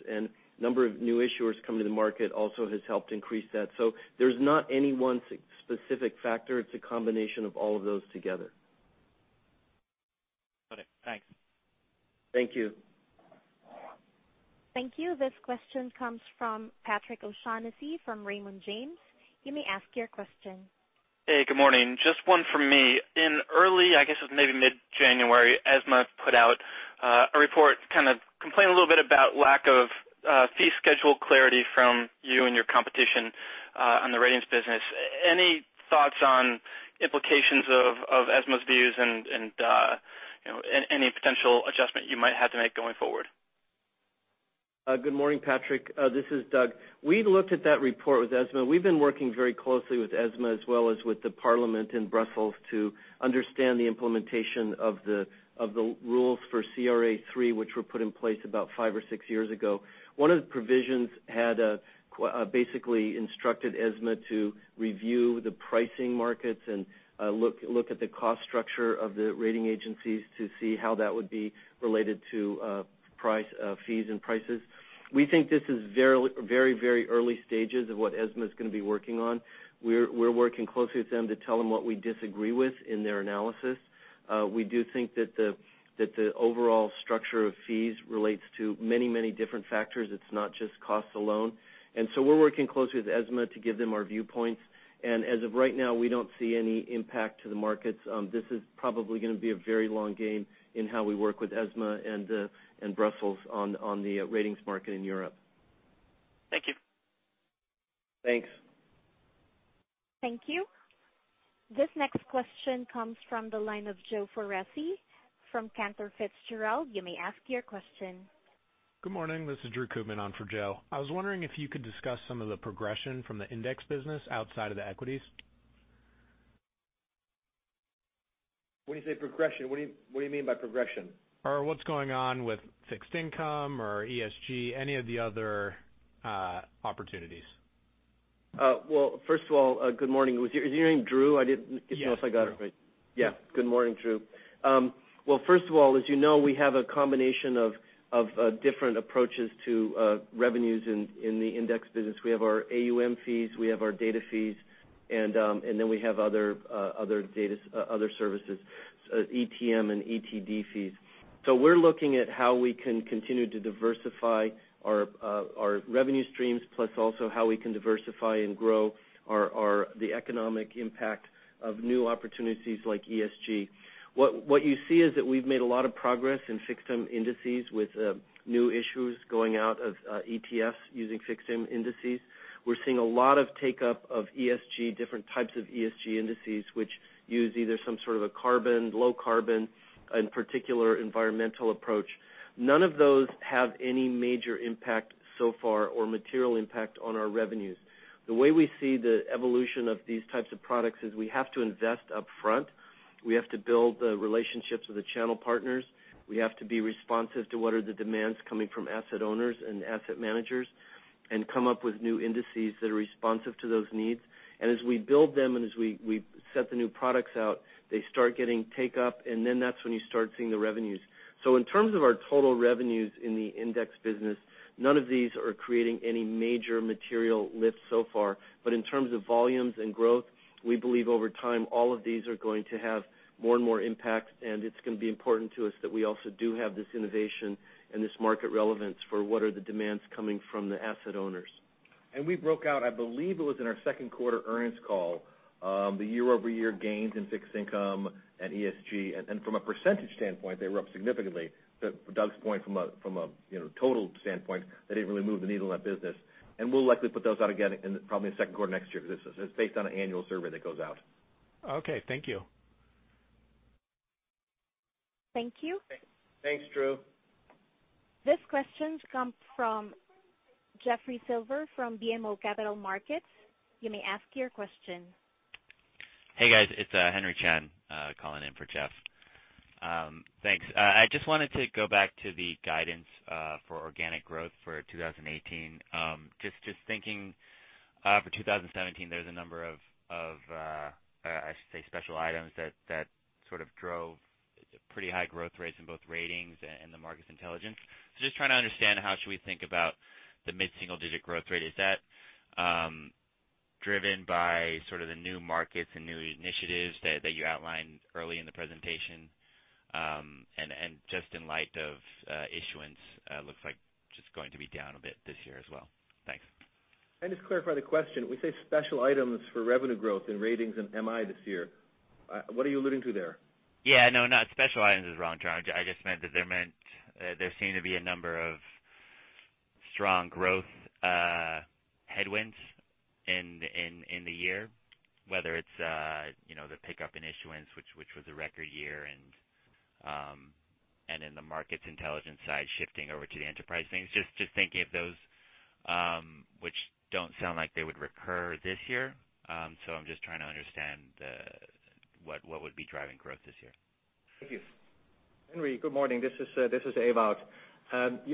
Number of new issuers coming to the market also has helped increase that. There is not any one specific factor. It is a combination of all of those together. Got it. Thanks. Thank you. Thank you. This question comes from Patrick O'Shaughnessy from Raymond James. You may ask your question. Hey, good morning. Just one from me. In early, I guess it was maybe mid-January, ESMA put out a report kind of complaining a little bit about lack of fee schedule clarity from you and your competition on the ratings business. Any thoughts on implications of ESMA's views and any potential adjustment you might have to make going forward? Good morning, Patrick. This is Doug. We looked at that report with ESMA. We've been working very closely with ESMA as well as with the parliament in Brussels to understand the implementation of the rules for CRA III, which were put in place about five or six years ago. One of the provisions had basically instructed ESMA to review the pricing markets and look at the cost structure of the rating agencies to see how that would be related to fees and prices. We think this is very early stages of what ESMA's going to be working on. We're working closely with them to tell them what we disagree with in their analysis. We do think that the overall structure of fees relates to many different factors. It's not just cost alone. We're working closely with ESMA to give them our viewpoints, and as of right now, we don't see any impact to the markets. This is probably going to be a very long game in how we work with ESMA and Brussels on the ratings market in Europe. Thank you. Thanks. Thank you. This next question comes from the line of Joseph Foresi from Cantor Fitzgerald. You may ask your question. Good morning. This is Drew Kootman on for Joe. I was wondering if you could discuss some of the progression from the index business outside of the equities. When you say progression, what do you mean by progression? What's going on with fixed income or ESG, any of the other opportunities? Well, first of all, good morning. Is your name Drew? I didn't- Yes. know if I got it right. Yeah. Good morning, Drew. Well, first of all, as you know, we have a combination of different approaches to revenues in the index business. We have our AUM fees, we have our data fees, and then we have other services, ETN and ETD fees. We're looking at how we can continue to diversify our revenue streams, plus also how we can diversify and grow the economic impact of new opportunities like ESG. What you see is that we've made a lot of progress in fixed income indices with new issues going out of ETFs using fixed income indices. We're seeing a lot of take-up of ESG, different types of ESG indices, which use either some sort of a carbon, low carbon, and particular environmental approach. None of those have any major impact so far or material impact on our revenues. The way we see the evolution of these types of products is we have to invest upfront. We have to build the relationships with the channel partners. We have to be responsive to what are the demands coming from asset owners and asset managers and come up with new indices that are responsive to those needs. As we build them and as we set the new products out, they start getting take-up, and then that's when you start seeing the revenues. In terms of our total revenues in the index business, none of these are creating any major material lift so far. In terms of volumes and growth, we believe over time, all of these are going to have more and more impact, and it's going to be important to us that we also do have this innovation and this market relevance for what are the demands coming from the asset owners. We broke out, I believe it was in our second quarter earnings call, the year-over-year gains in fixed income and ESG. From a % standpoint, they were up significantly. To Doug's point, from a total standpoint, they didn't really move the needle in that business. We'll likely put those out again in probably the second quarter next year because this is based on an annual survey that goes out. Okay. Thank you. Thank you. Thanks, Drew. This question comes from Jeff Silber from BMO Capital Markets. You may ask your question. Hey, guys, it's Henry Chen, calling in for Jeff. Thanks. I just wanted to go back to the guidance for organic growth for 2018. Just thinking for 2017, there's a number of, I should say, special items that sort of drove pretty high growth rates in both Ratings and the Market Intelligence. Just trying to understand how should we think about the mid-single-digit growth rate. Is that driven by sort of the new markets and new initiatives that you outlined early in the presentation? Just in light of issuance, looks like just going to be down a bit this year as well. Thanks. Can I just clarify the question? We say special items for revenue growth in Ratings and MI this year. What are you alluding to there? Yeah, no, special items is the wrong term. I just meant that there seemed to be a number of strong growth headwinds in the year, whether it's the pickup in issuance, which was a record year, and in the Market Intelligence side, shifting over to the enterprise things. Just thinking if those, which don't sound like they would recur this year. I'm just trying to understand what would be driving growth this year. Thank you. Henry, good morning. This is Ewout.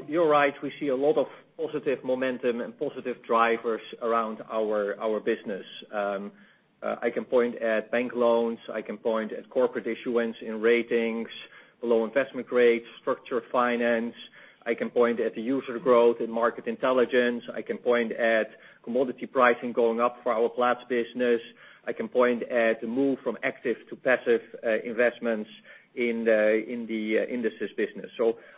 You're right. We see a lot of positive momentum and positive drivers around our business. I can point at bank loans, I can point at corporate issuance in ratings, low investment rates, structured finance. I can point at the user growth in Market Intelligence. I can point at commodity pricing going up for our Platts business. I can point at the move from active to passive investments in the indices business.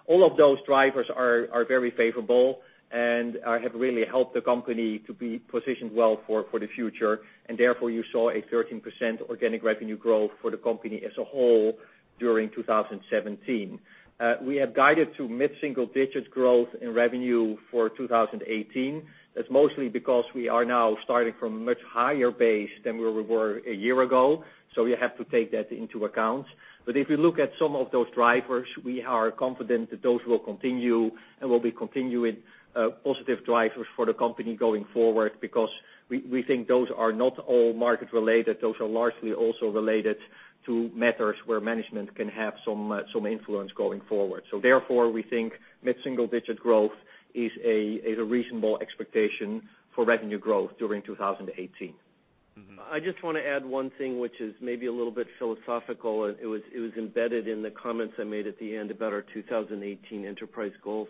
All of those drivers are very favorable and have really helped the company to be positioned well for the future. Therefore, you saw a 13% organic revenue growth for the company as a whole during 2017. We have guided to mid-single-digit growth in revenue for 2018. That's mostly because we are now starting from a much higher base than we were a year ago. You have to take that into account. If you look at some of those drivers, we are confident that those will continue and will be continuing positive drivers for the company going forward because we think those are not all market related. Those are largely also related to matters where management can have some influence going forward. Therefore, we think mid-single-digit growth is a reasonable expectation for revenue growth during 2018. I just want to add one thing, which is maybe a little bit philosophical. It was embedded in the comments I made at the end about our 2018 enterprise goals.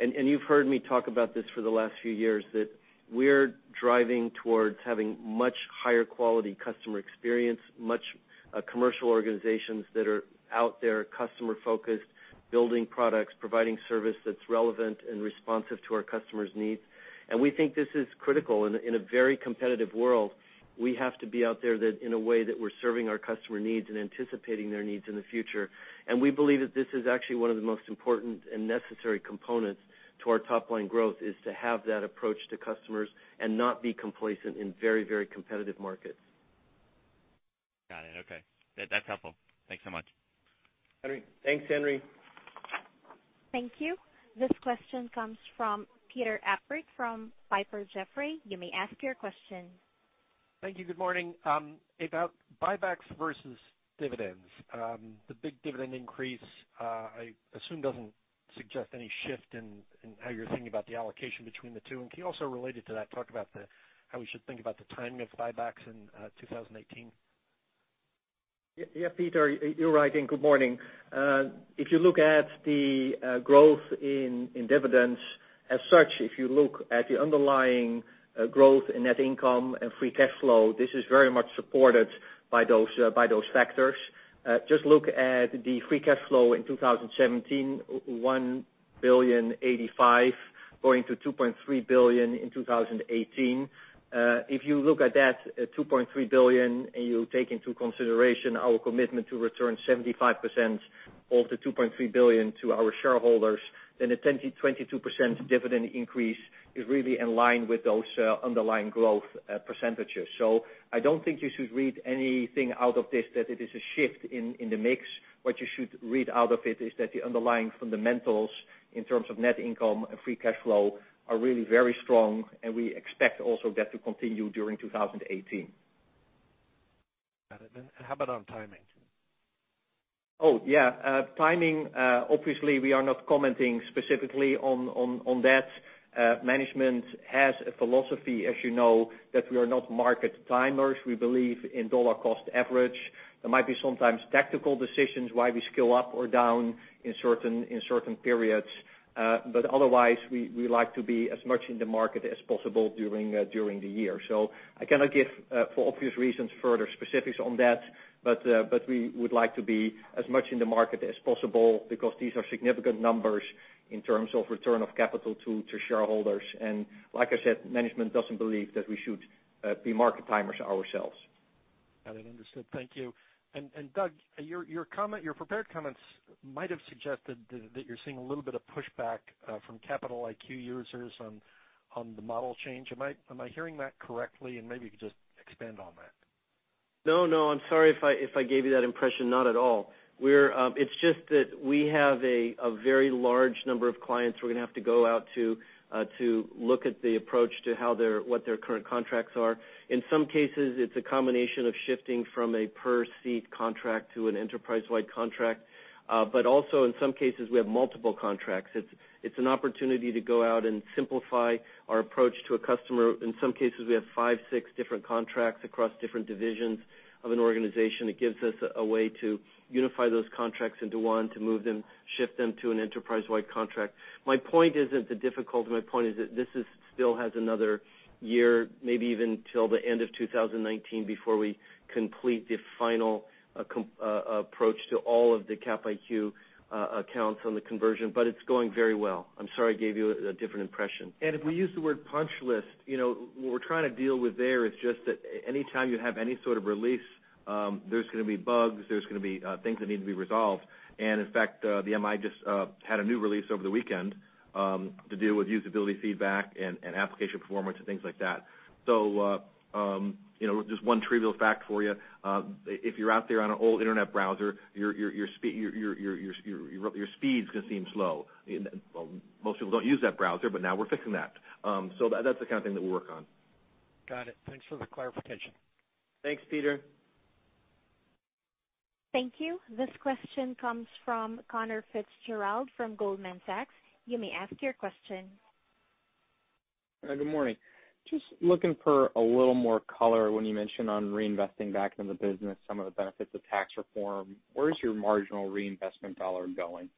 You've heard me talk about this for the last few years, that we're driving towards having much higher quality customer experience, much commercial organizations that are out there, customer-focused, building products, providing service that's relevant and responsive to our customers' needs. We think this is critical. In a very competitive world, we have to be out there in a way that we're serving our customer needs and anticipating their needs in the future. We believe that this is actually one of the most important and necessary components to our top-line growth, is to have that approach to customers and not be complacent in very competitive markets. Got it. Okay. That's helpful. Thanks so much. Henry. Thanks, Henry. Thank you. This question comes from Peter Appert from Piper Jaffray. You may ask your question. Thank you. Good morning. About buybacks versus dividends. The big dividend increase, I assume, doesn't suggest any shift in how you're thinking about the allocation between the two. Can you also, related to that, talk about how we should think about the timing of buybacks in 2018? Yeah, Peter, you're right. Good morning. If you look at the growth in dividends as such, if you look at the underlying growth in net income and free cash flow, this is very much supported by those factors. Just look at the free cash flow in 2017, $1.085 billion going to $2.3 billion in 2018. If you look at that $2.3 billion and you take into consideration our commitment to return 75% of the $2.3 billion to our shareholders, then a 22% dividend increase is really in line with those underlying growth percentages. I don't think you should read anything out of this that it is a shift in the mix. What you should read out of it is that the underlying fundamentals in terms of net income and free cash flow are really very strong, we expect also that to continue during 2018. Got it. How about on timing? Oh, yeah. Timing, obviously, we are not commenting specifically on that. Management has a philosophy, as you know, that we are not market timers. We believe in dollar-cost average. There might be sometimes tactical decisions why we scale up or down in certain periods. Otherwise, we like to be as much in the market as possible during the year. I cannot give, for obvious reasons, further specifics on that, but we would like to be as much in the market as possible because these are significant numbers in terms of return of capital to shareholders. Like I said, management doesn't believe that we should be market timers ourselves. Got it. Understood. Thank you. Doug, your prepared comments might have suggested that you're seeing a little bit of pushback from Capital IQ users on the model change. Am I hearing that correctly? Maybe you could just expand on that. No, I'm sorry if I gave you that impression. Not at all. It's just that we have a very large number of clients we're going to have to go out to look at the approach to what their current contracts are. In some cases, it's a combination of shifting from a per-seat contract to an enterprise-wide contract. Also in some cases, we have multiple contracts. It's an opportunity to go out and simplify our approach to a customer. In some cases, we have five, six different contracts across different divisions of an organization. It gives us a way to unify those contracts into one, to move them, shift them to an enterprise-wide contract. My point isn't the difficulty. My point is that this still has another year, maybe even till the end of 2019, before we complete the final approach to all of the Cap IQ accounts on the conversion, it's going very well. I'm sorry I gave you a different impression. If we use the word punch list, what we're trying to deal with there is just that any time you have any sort of release, there's going to be bugs, there's going to be things that need to be resolved. In fact, the MI just had a new release over the weekend to deal with usability feedback and application performance and things like that. Just one trivial fact for you. If you're out there on an old internet browser, your speed's going to seem slow. Well, most people don't use that browser, now we're fixing that. That's the kind of thing that we work on. Got it. Thanks for the clarification. Thanks, Peter. Thank you. This question comes from Conor Fitzgerald from Goldman Sachs. You may ask your question. Good morning. Just looking for a little more color when you mention on reinvesting back into the business some of the benefits of tax reform. Where is your marginal reinvestment dollar going?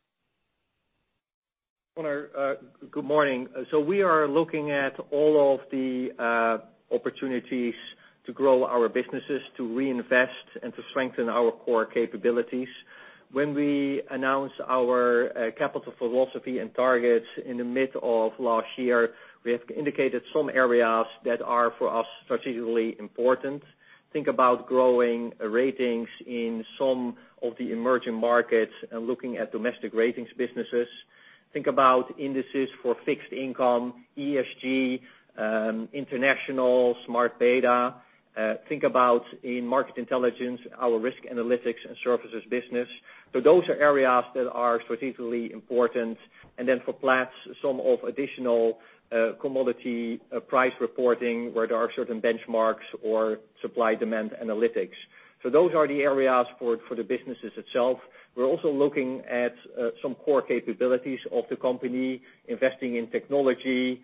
Conor, good morning. We are looking at all of the opportunities to grow our businesses, to reinvest, and to strengthen our core capabilities. When we announced our capital philosophy and targets in the mid of last year, we have indicated some areas that are, for us, strategically important. Think about growing ratings in some of the emerging markets and looking at domestic ratings businesses. Think about indices for fixed income, ESG, international, smart beta. Think about in market intelligence, our risk analytics and services business. Those are areas that are strategically important. For Platts, some of additional commodity price reporting where there are certain benchmarks or supply-demand analytics. Those are the areas for the businesses itself. We're also looking at some core capabilities of the company, investing in technology,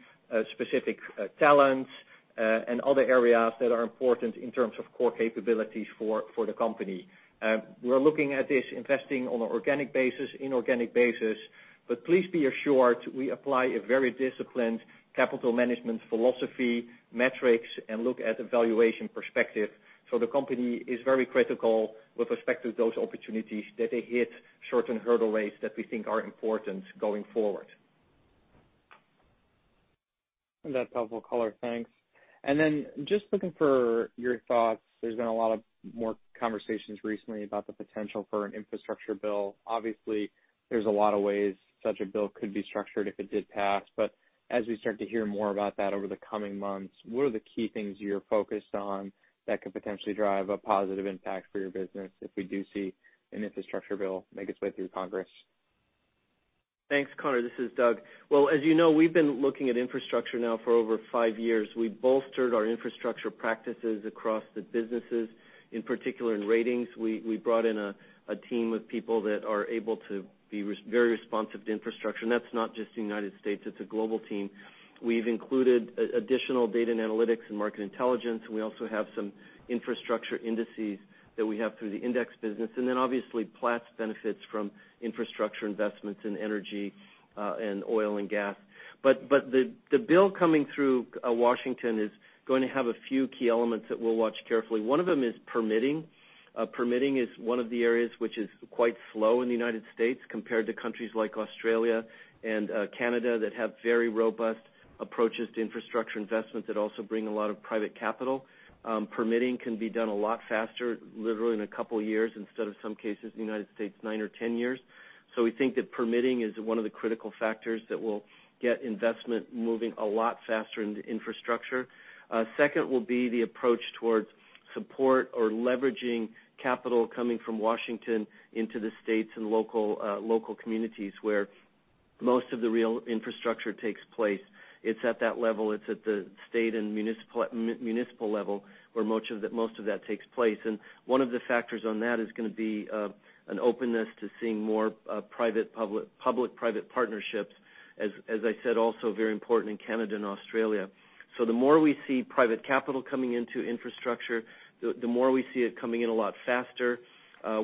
specific talents and other areas that are important in terms of core capabilities for the company. We're looking at this investing on an organic basis, inorganic basis. Please be assured, we apply a very disciplined capital management philosophy, metrics, and look at the valuation perspective. The company is very critical with respect to those opportunities that they hit certain hurdle rates that we think are important going forward. That's helpful color. Thanks. Just looking for your thoughts. There's been a lot of more conversations recently about the potential for an infrastructure bill. Obviously, there's a lot of ways such a bill could be structured if it did pass. As we start to hear more about that over the coming months, what are the key things you're focused on that could potentially drive a positive impact for your business if we do see an infrastructure bill make its way through Congress? Thanks, Conor. This is Doug. As you know, we've been looking at infrastructure now for over five years. We bolstered our infrastructure practices across the businesses, in particular in Ratings. We brought in a team of people that are able to be very responsive to infrastructure, and that's not just the U.S., it's a global team. We've included additional data and analytics and market intelligence. We also have some infrastructure indices that we have through the index business. Obviously Platts benefits from infrastructure investments in energy, and oil and gas. The bill coming through Washington is going to have a few key elements that we'll watch carefully. One of them is permitting. Permitting is one of the areas which is quite slow in the U.S. compared to countries like Australia and Canada that have very robust approaches to infrastructure investments that also bring a lot of private capital. Permitting can be done a lot faster, literally in a couple of years instead of, some cases in the U.S., nine or 10 years. We think that permitting is one of the critical factors that will get investment moving a lot faster into infrastructure. Second will be the approach towards support or leveraging capital coming from Washington into the states and local communities where most of the real infrastructure takes place. It's at that level. It's at the state and municipal level where most of that takes place. One of the factors on that is going to be, an openness to seeing more public-private partnerships, as I said, also very important in Canada and Australia. The more we see private capital coming into infrastructure, the more we see it coming in a lot faster.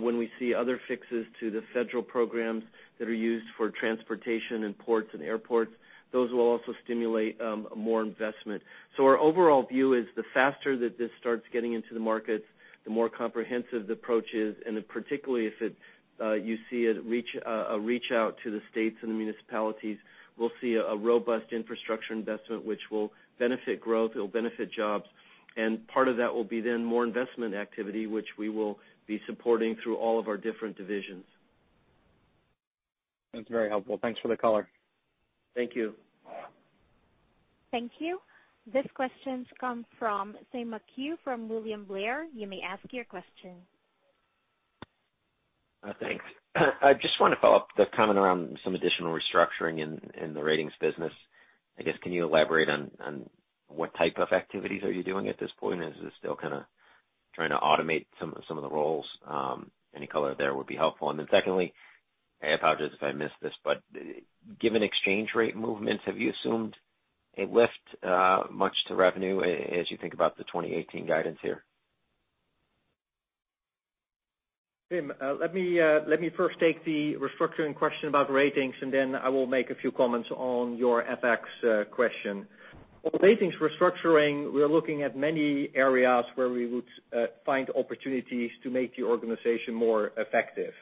When we see other fixes to the federal programs that are used for transportation in ports and airports, those will also stimulate more investment. Our overall view is the faster that this starts getting into the markets, the more comprehensive the approach is, particularly if you see a reach out to the states and the municipalities, we'll see a robust infrastructure investment, which will benefit growth, it'll benefit jobs. Part of that will be then more investment activity, which we will be supporting through all of our different divisions. That's very helpful. Thanks for the color. Thank you. Thank you. This question comes from Tim McHugh from William Blair. You may ask your question. Thanks. I just want to follow up the comment around some additional restructuring in the Ratings business. I guess, can you elaborate on what type of activities are you doing at this point? Is it still trying to automate some of the roles? Any color there would be helpful. Secondly, I apologize if I missed this, but given exchange rate movements, have you assumed a lift much to revenue as you think about the 2018 guidance here? Tim, let me first take the restructuring question about ratings. Then I will make a few comments on your FX question. On the ratings restructuring, we are looking at many areas where we would find opportunities to make the organization more effective.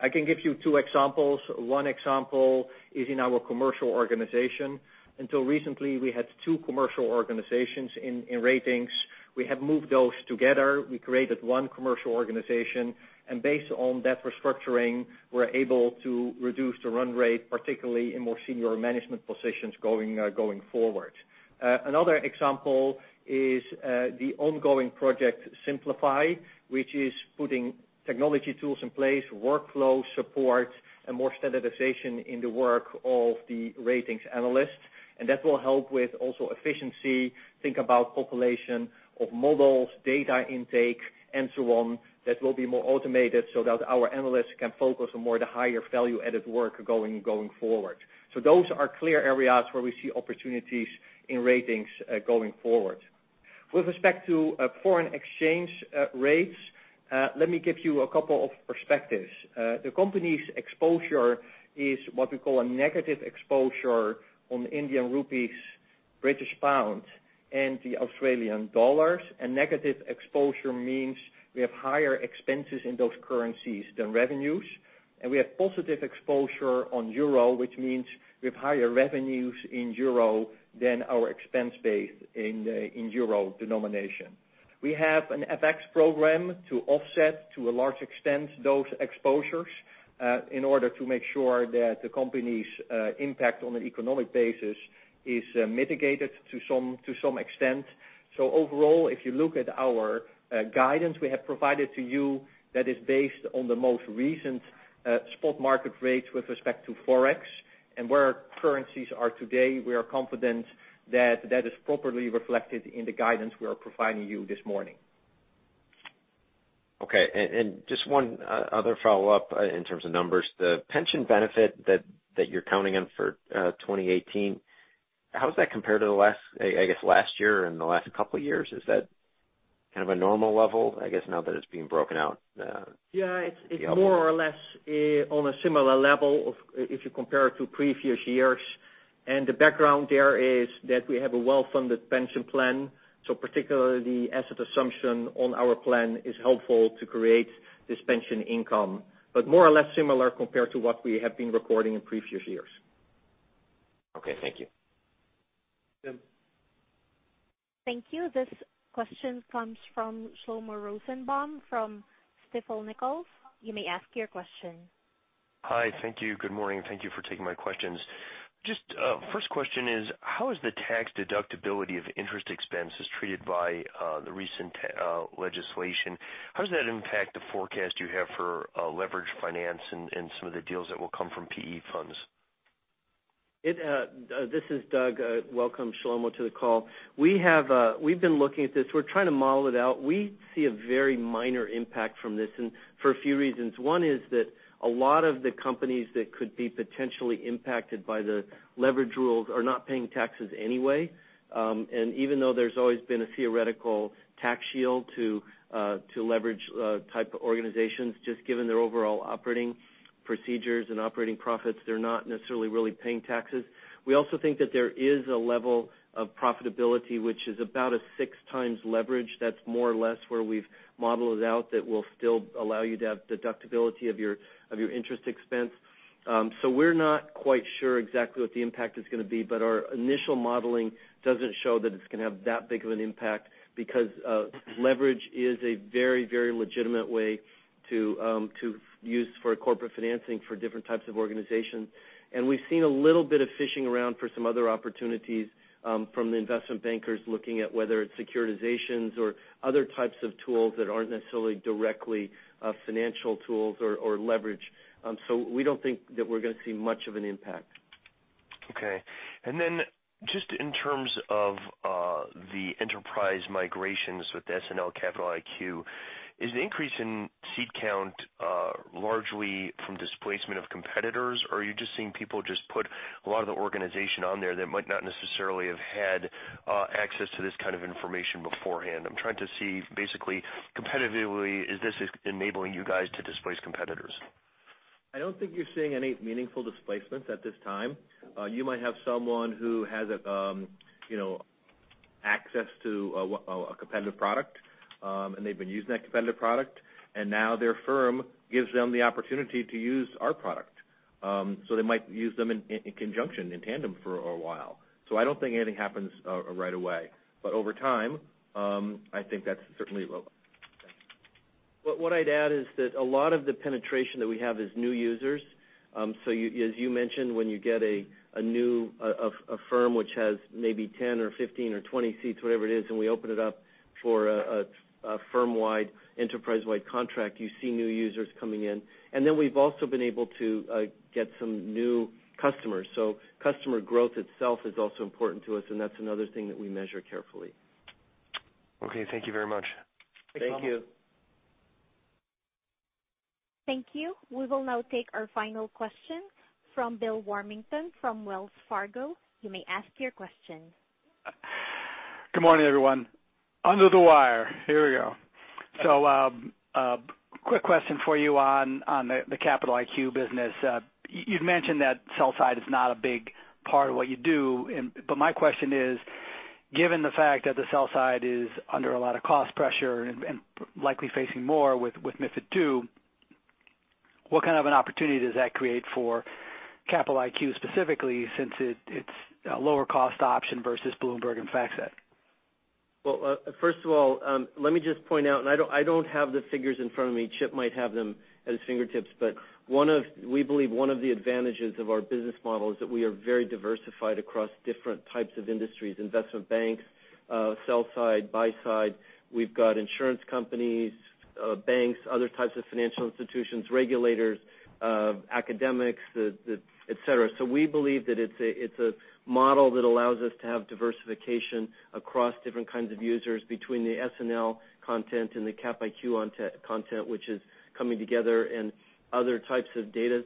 I can give you two examples. One example is in our commercial organization. Until recently, we had two commercial organizations in ratings. We have moved those together. We created one commercial organization. Based on that restructuring, we're able to reduce the run rate, particularly in more senior management positions going forward. Another example is the ongoing project Simplify, which is putting technology tools in place, workflow support, more standardization in the work of the ratings analysts. That will help with also efficiency, think about population of models, data intake, so on that will be more automated so that our analysts can focus on more the higher value-added work going forward. Those are clear areas where we see opportunities in ratings going forward. With respect to foreign exchange rates, let me give you a couple of perspectives. The company's exposure is what we call a negative exposure on Indian rupees, British pounds, and the Australian dollars. A negative exposure means we have higher expenses in those currencies than revenues. We have positive exposure on euro, which means we have higher revenues in euro than our expense base in euro denomination. We have an FX program to offset, to a large extent, those exposures, in order to make sure that the company's impact on an economic basis is mitigated to some extent. Overall, if you look at our guidance we have provided to you that is based on the most recent spot market rates with respect to Forex and where our currencies are today, we are confident that is properly reflected in the guidance we are providing you this morning. Okay. Just one other follow-up in terms of numbers. The pension benefit that you're counting on for 2018, how does that compare to, I guess, last year and the last couple of years? Is that kind of a normal level, I guess, now that it's being broken out? Yeah. It's more or less on a similar level if you compare it to previous years. The background there is that we have a well-funded pension plan. Particularly, the asset assumption on our plan is helpful to create this pension income, but more or less similar compared to what we have been recording in previous years. Okay. Thank you. Tim. Thank you. This question comes from Shlomo Rosenbaum from Stifel Nicolaus. You may ask your question. Hi. Thank you. Good morning, and thank you for taking my questions. First question is, how is the tax deductibility of interest expenses treated by the recent legislation? How does that impact the forecast you have for leverage finance and some of the deals that will come from PE funds? This is Doug. Welcome, Shlomo, to the call. We've been looking at this. We're trying to model it out. We see a very minor impact from this. For a few reasons, one is that a lot of the companies that could be potentially impacted by the leverage rules are not paying taxes anyway. Even though there's always been a theoretical tax shield to leverage type organizations, just given their overall operating procedures and operating profits, they're not necessarily really paying taxes. We also think that there is a level of profitability, which is about a six times leverage. That's more or less where we've modeled it out that will still allow you to have deductibility of your interest expense. We're not quite sure exactly what the impact is going to be, but our initial modeling doesn't show that it's going to have that big of an impact because leverage is a very legitimate way to use for corporate financing for different types of organizations. We've seen a little bit of fishing around for some other opportunities from the investment bankers looking at whether it's securitizations or other types of tools that aren't necessarily directly financial tools or leverage. We don't think that we're going to see much of an impact. Okay. Then just in terms of the enterprise migrations with SNL Capital IQ, is the increase in seat count largely from displacement of competitors? Are you just seeing people put a lot of the organization on there that might not necessarily have had access to this kind of information beforehand? I'm trying to see, basically, competitively, is this enabling you guys to displace competitors? I don't think you're seeing any meaningful displacements at this time. You might have someone who has access to a competitive product, and they've been using that competitive product, and now their firm gives them the opportunity to use our product. They might use them in conjunction, in tandem for a while. I don't think anything happens right away. Over time, I think that's certainly what. I'd add is that a lot of the penetration that we have is new users. As you mentioned, when you get a firm which has maybe 10 or 15 or 20 seats, whatever it is, and we open it up for a firm-wide, enterprise-wide contract, you see new users coming in. Then we've also been able to get some new customers. Customer growth itself is also important to us, and that's another thing that we measure carefully. Okay, thank you very much. Thank you. Thanks, Shlomo. Thank you. We will now take our final question from Bill Warmington from Wells Fargo. You may ask your question. Good morning, everyone. Under the wire. Here we go. Quick question for you on the Capital IQ business. You've mentioned that sell side is not a big part of what you do. My question is, given the fact that the sell side is under a lot of cost pressure and likely facing more with MiFID II, what kind of an opportunity does that create for Capital IQ specifically, since it's a lower cost option versus Bloomberg and FactSet? First of all, let me just point out, and I don't have the figures in front of me. Chip Merritt might have them at his fingertips. We believe one of the advantages of our business model is that we are very diversified across different types of industries, investment banks, sell side, buy side. We've got insurance companies, banks, other types of financial institutions, regulators, academics, et cetera. We believe that it's a model that allows us to have diversification across different kinds of users between the SNL content and the Cap IQ content, which is coming together, and other types of data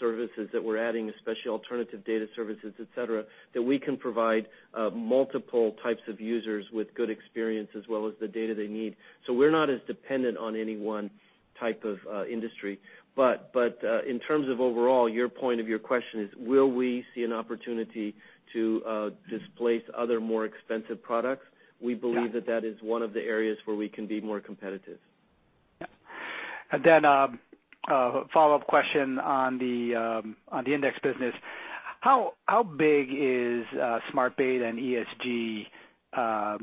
services that we're adding, especially alternative data services, et cetera, that we can provide multiple types of users with good experience as well as the data they need. We're not as dependent on any one type of industry. In terms of overall, your point of your question is, will we see an opportunity to displace other, more expensive products? We believe that that is one of the areas where we can be more competitive. Yeah. A follow-up question on the index business. How big is smart beta and ESG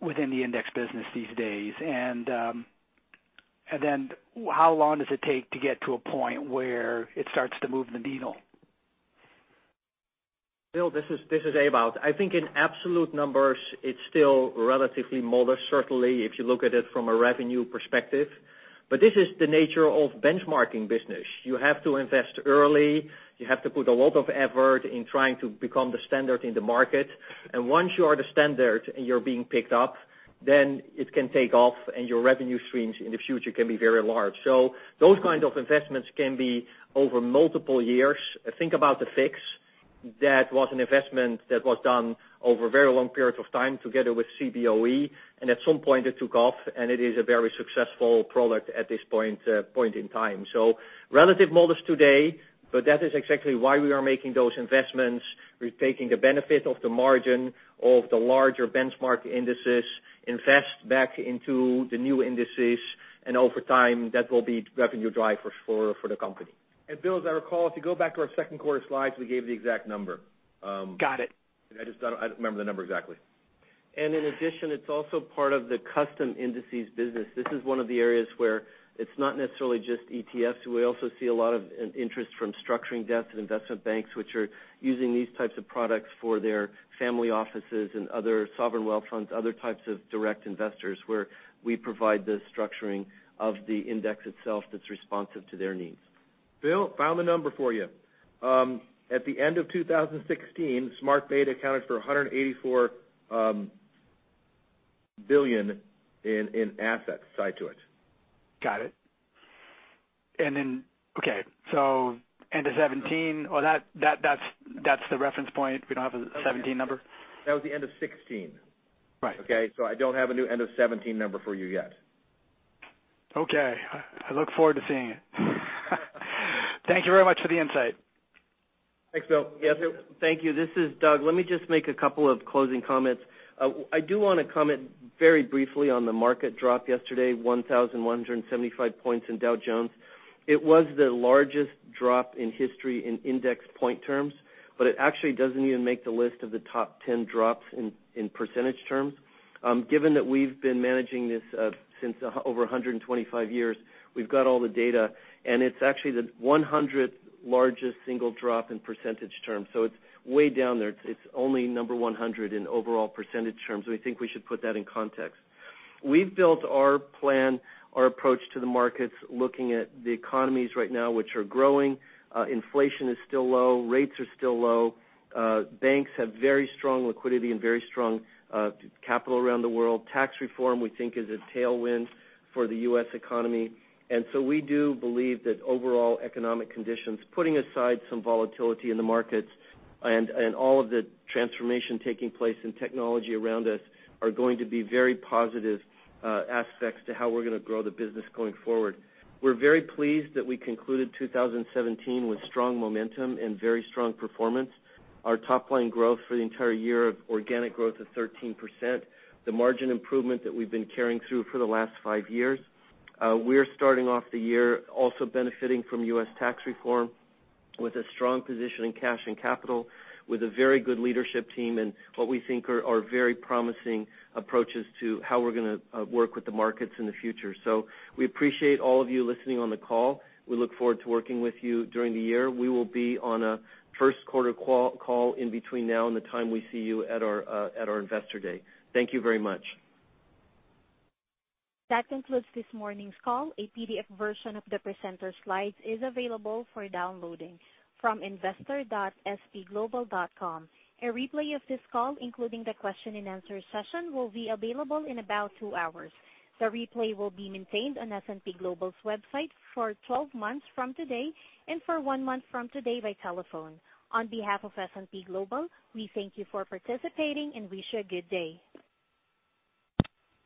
within the index business these days? How long does it take to get to a point where it starts to move the needle? Bill, this is Ewout. I think in absolute numbers, it's still relatively modest, certainly if you look at it from a revenue perspective. This is the nature of benchmarking business. You have to invest early. You have to put a lot of effort in trying to become the standard in the market. Once you are the standard and you're being picked up It can take off, and your revenue streams in the future can be very large. Those kinds of investments can be over multiple years. Think about the VIX. That was an investment that was done over very long periods of time together with Cboe, and at some point, it took off, and it is a very successful product at this point in time. Relative modest today, but that is exactly why we are making those investments. We are taking the benefit of the margin of the larger benchmark indices, invest back into the new indices, and over time, that will be revenue drivers for the company. Bill, as I recall, if you go back to our second quarter slides, we gave the exact number. Got it. I just don't remember the number exactly. In addition, it's also part of the custom indices business. This is one of the areas where it's not necessarily just ETFs. We also see a lot of interest from structuring debts and investment banks, which are using these types of products for their family offices and other sovereign wealth funds, other types of direct investors, where we provide the structuring of the index itself that's responsive to their needs. Bill, found the number for you. At the end of 2016, smart beta accounted for $184 billion in assets tied to it. Got it. Okay, end of 2016, that's the reference point. We don't have a 2017 number? That was the end of 2016. Right. Okay? I don't have a new end of 2017 number for you yet. Okay. I look forward to seeing it. Thank you very much for the insight. Thanks, Bill. Yes, thank you. This is Doug. Let me just make a couple of closing comments. I do want to comment very briefly on the market drop yesterday, 1,175 points in Dow Jones. It was the largest drop in history in index point terms, it actually doesn't even make the list of the top 10 drops in percentage terms. Given that we've been managing this since over 125 years, we've got all the data, it's actually the 100th largest single drop in percentage terms. It's way down there. It's only number 100 in overall percentage terms. We think we should put that in context. We've built our plan, our approach to the markets, looking at the economies right now, which are growing. Inflation is still low, rates are still low. Banks have very strong liquidity and very strong capital around the world. Tax reform, we think, is a tailwind for the U.S. economy. We do believe that overall economic conditions, putting aside some volatility in the markets and all of the transformation taking place in technology around us, are going to be very positive aspects to how we're going to grow the business going forward. We're very pleased that we concluded 2017 with strong momentum and very strong performance. Our top-line growth for the entire year of organic growth is 13%, the margin improvement that we've been carrying through for the last five years. We are starting off the year also benefiting from U.S. tax reform with a strong position in cash and capital, with a very good leadership team, and what we think are very promising approaches to how we're going to work with the markets in the future. We appreciate all of you listening on the call. We look forward to working with you during the year. We will be on a first quarter call in between now and the time we see you at our investor day. Thank you very much. That concludes this morning's call. A PDF version of the presenter slides is available for downloading from investor.spglobal.com. A replay of this call, including the question and answer session, will be available in about two hours. The replay will be maintained on S&P Global's website for 12 months from today and for one month from today by telephone. On behalf of S&P Global, we thank you for participating and wish you a good day.